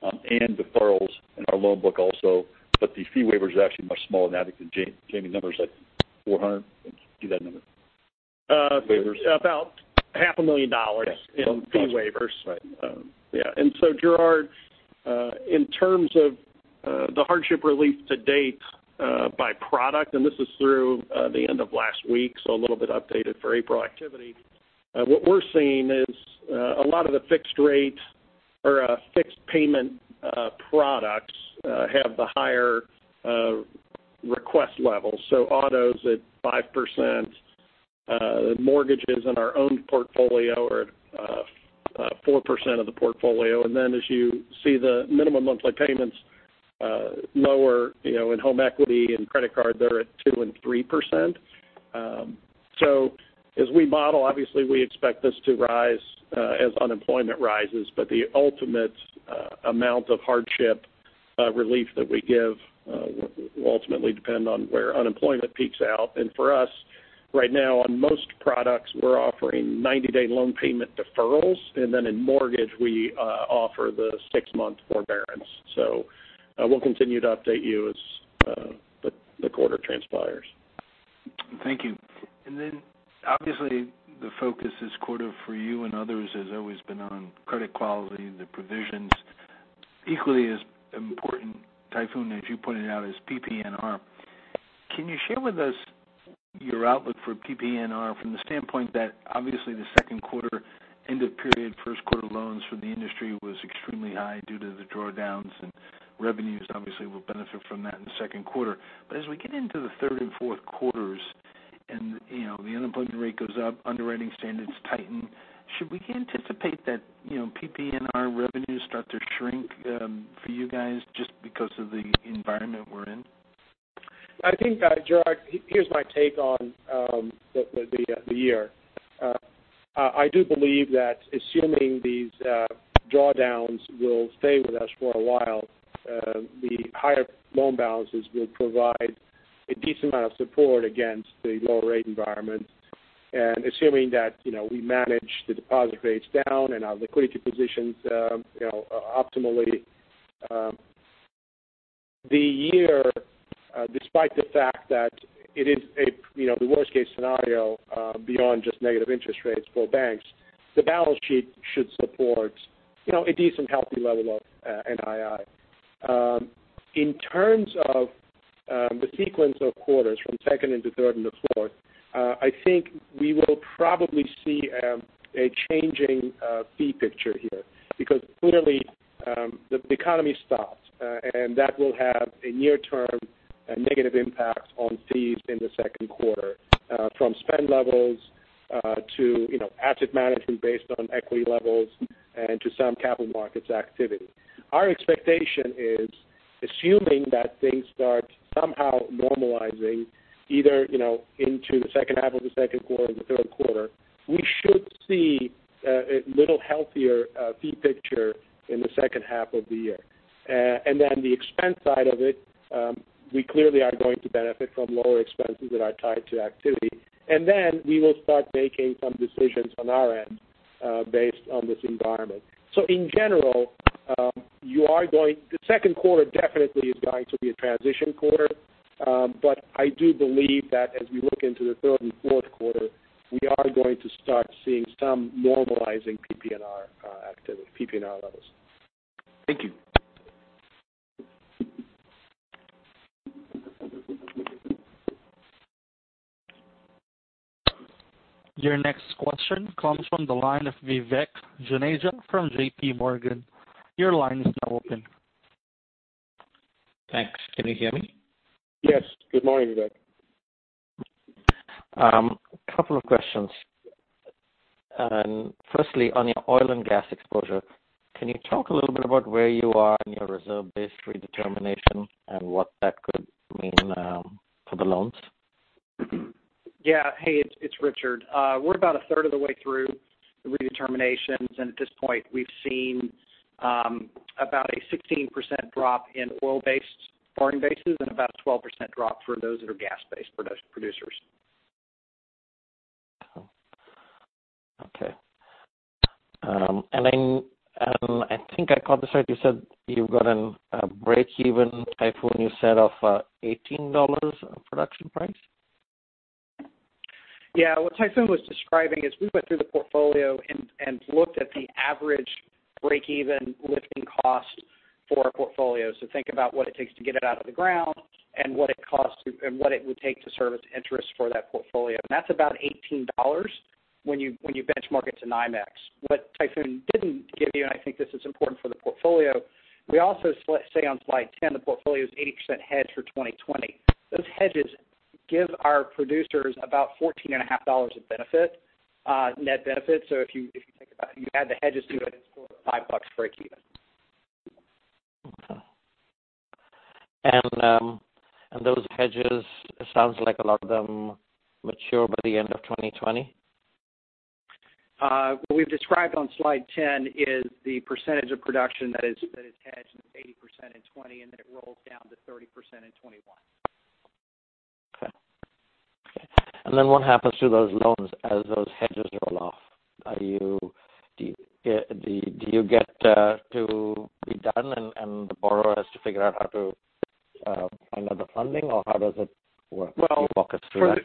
and deferrals in our loan book also. But the fee waivers are actually much smaller. Now, I think the Jamie number is like 400. Do you see that number?
About $500,000 in fee waivers.
Yeah.
And so, Gerard, in terms of the hardship relief to date by product, and this is through the end of last week, so a little bit updated for April activity, what we're seeing is a lot of the fixed rate or fixed payment products have the higher request levels. So autos at 5%, mortgages in our own portfolio are at 4% of the portfolio. And then as you see the minimum monthly payments lower in home equity and credit card, they're at 2% and 3%. So as we model, obviously, we expect this to rise as unemployment rises. But the ultimate amount of hardship relief that we give will ultimately depend on where unemployment peaks out. And for us, right now, on most products, we're offering 90-day loan payment deferrals. And then in mortgage, we offer the six-month forbearance. So we'll continue to update you as the quarter transpires.
Thank you. And then, obviously, the focus this quarter for you and others has always been on credit quality, the provisions. Equally as important, Tayfun, as you pointed out, is PPNR. Can you share with us your outlook for PPNR from the standpoint that, obviously, the Q2 end-of-period Q1 loans for the industry was extremely high due to the drawdowns? And revenues, obviously, will benefit from that in the Q2. But as we get into the Q3 and Q4s and the unemployment rate goes up, underwriting standards tighten, should we anticipate that PPNR revenues start to shrink for you guys just because of the environment we're in?
I think, Gerard, here's my take on the year. I do believe that assuming these drawdowns will stay with us for a while, the higher loan balances will provide a decent amount of support against the lower rate environment. And assuming that we manage the deposit rates down and our liquidity positions optimally, the year, despite the fact that it is the worst-case scenario beyond just negative interest rates for banks, the balance sheet should support a decent, healthy level of NII. In terms of the sequence of quarters from Q2 into Q3 into Q4, I think we will probably see a changing fee picture here because clearly, the economy stops, and that will have a near-term negative impact on fees in the Q2 from spend levels to asset management based on equity levels and to some capital markets activity. Our expectation is, assuming that things start somehow normalizing either into the second half of the Q2 or the Q3, we should see a little healthier fee picture in the second half of the year, and then the expense side of it, we clearly are going to benefit from lower expenses that are tied to activity. And then we will start making some decisions on our end based on this environment, so in general, the Q2 definitely is going to be a transition quarter. But I do believe that as we look into the Q3 and Q4, we are going to start seeing some normalizing PPNR levels.
Thank you.
Your next question comes from the line of Vivek Juneja from JPMorgan. Your line is now open.
Thanks. Can you hear me?
Yes. Good morning, Vivek.
A couple of questions. Firstly, on your oil and gas exposure, can you talk a little bit about where you are in your reserve-based redetermination and what that could mean for the loans?
Yeah. Hey, it's Richard. We're about a third of the way through the redeterminations. And at this point, we've seen about a 16% drop in oil-based borrowing bases and about a 12% drop for those that are gas-based producers.
Okay. And I think I caught this right. You said you've got a break-even, Tayfun, you said, of $18 production price?
Yeah. What Tayfun was describing is we went through the portfolio and looked at the average break-even lifting cost for a portfolio. So think about what it takes to get it out of the ground and what it costs and what it would take to service interest for that portfolio. That's about $18 when you benchmark it to NYMEX. What Tayfun didn't give you, and I think this is important for the portfolio, we also say on slide 10, the portfolio is 80% hedged for 2020. Those hedges give our producers about $14.5 of benefit, net benefit. If you add the hedges to it, it's worth $5 break-even.
Those hedges, it sounds like a lot of them mature by the end of 2020?
What we've described on slide 10 is the percentage of production that is hedged and is 80% in 2020, and then it rolls down to 30% in 2021.
Okay. And then what happens to those loans as those hedges roll off? Do you get to be done and the borrower has to figure out how to find out the funding, or how does it work? Can you walk us through that?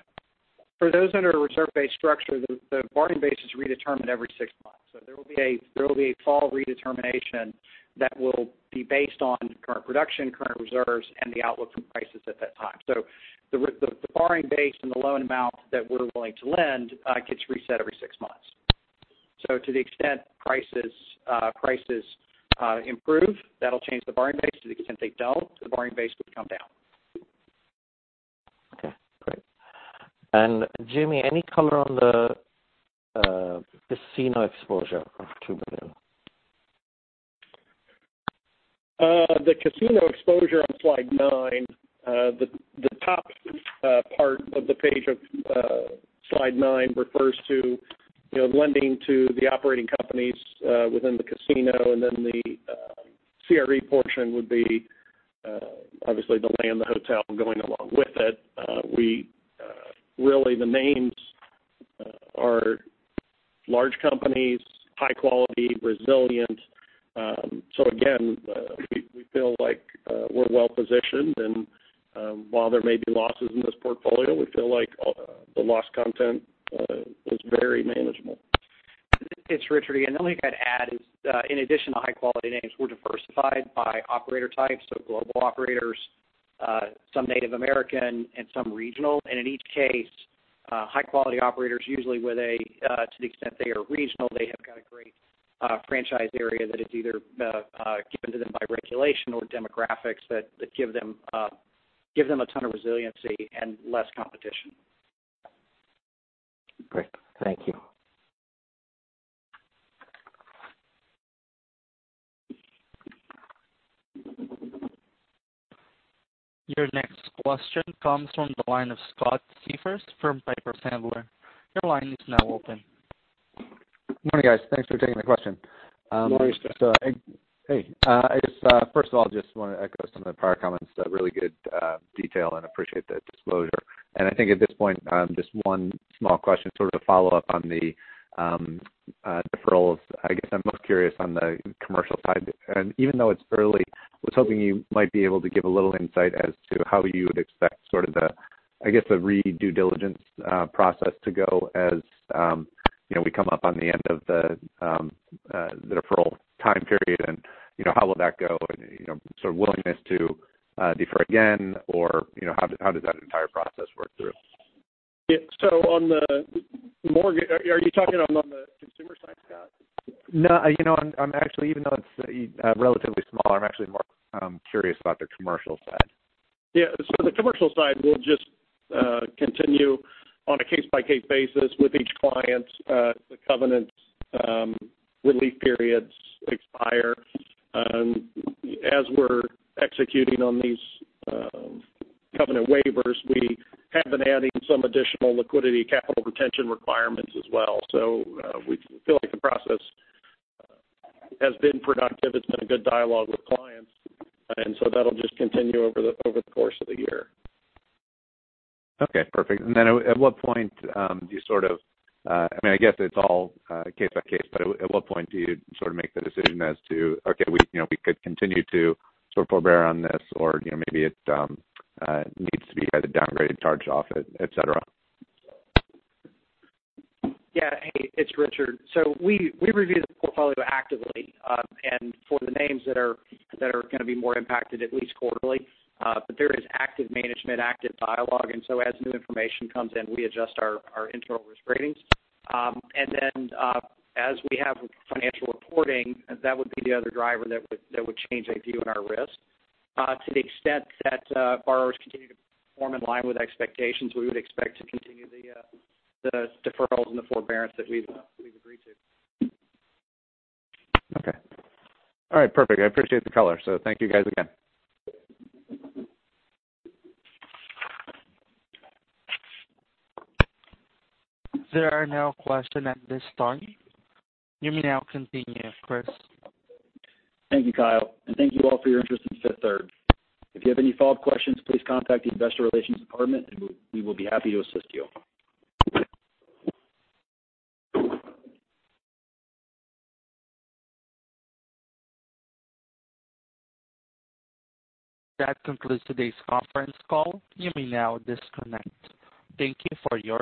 For those under a reserve-based structure, the borrowing base is redetermined every six months. So there will be a fall redetermination that will be based on current production, current reserves, and the outlook for prices at that time. So the borrowing base and the loan amount that we're willing to lend gets reset every six months. So to the extent prices improve, that'll change the borrowing base. To the extent they don't, the borrowing base would come down.
Okay. Great. And Jamie, any color on the casino exposure of $2 billion?
The casino exposure on slide 9, the top part of the page of slide 9 refers to lending to the operating companies within the casino. And then the CRE portion would be obviously the land, the hotel going along with it. Really, the names are large companies, high quality, resilient. So again, we feel like we're well-positioned. And while there may be losses in this portfolio, we feel like the loss content is very manageable.
It's Richard again. The only thing I'd add is, in addition to high-quality names, we're diversified by operator types. So global operators, some Native American, and some regional. And in each case, high-quality operators usually with a, to the extent they are regional, they have got a great franchise area that is either given to them by regulation or demographics that give them a ton of resiliency and less competition.
Great. Thank you.
Your next question comes from the line of Scott Siefers from Piper Sandler. Your line is now open.
Good morning, guys. Thanks for taking the question.
Good morning, Scott.
Hey. First of all, just want to echo some of the prior comments. Really good detail and appreciate the disclosure. And I think at this point, just one small question, sort of a follow-up on the deferrals. I guess I'm most curious on the commercial side. Even though it's early, I was hoping you might be able to give a little insight as to how you would expect sort of the, I guess, the renewed due diligence process to go as we come up on the end of the deferral time period. How will that go? Sort of willingness to defer again, or how does that entire process work through?
Yeah. So are you talking on the consumer side, Scott?
No. Actually, even though it's relatively small, I'm actually more curious about the commercial side.
Yeah. So the commercial side will just continue on a case-by-case basis with each client. The covenant relief periods expire. As we're executing on these covenant waivers, we have been adding some additional liquidity capital retention requirements as well. So we feel like the process has been productive. It's been a good dialogue with clients. And so that'll just continue over the course of the year.
Okay. Perfect. And then at what point do you sort of—I mean, I guess it's all case by case. But at what point do you sort of make the decision as to, "Okay. We could continue to sort of forbear on this," or, "Maybe it needs to be either downgraded, charged off, etc."?
Yeah. Hey, it's Richard. So we review the portfolio actively. And for the names that are going to be more impacted at least quarterly, there is active management, active dialogue. And so as new information comes in, we adjust our internal risk ratings. And then as we have financial reporting, that would be the other driver that would change a view on our risk. To the extent that borrowers continue to perform in line with expectations, we would expect to continue the deferrals and the forbearance that we've agreed to.
Okay. All right. Perfect. I appreciate the color. So thank you guys again.
There are no questions at this time. You may now continue, Chris.
Thank you, Kyle. And thank you all for your interest in Fifth Third Bancorp. If you have any follow-up questions, please contact the investor relations department, and we will be happy to assist you.
That concludes today's conference call. You may now disconnect. Thank you for your.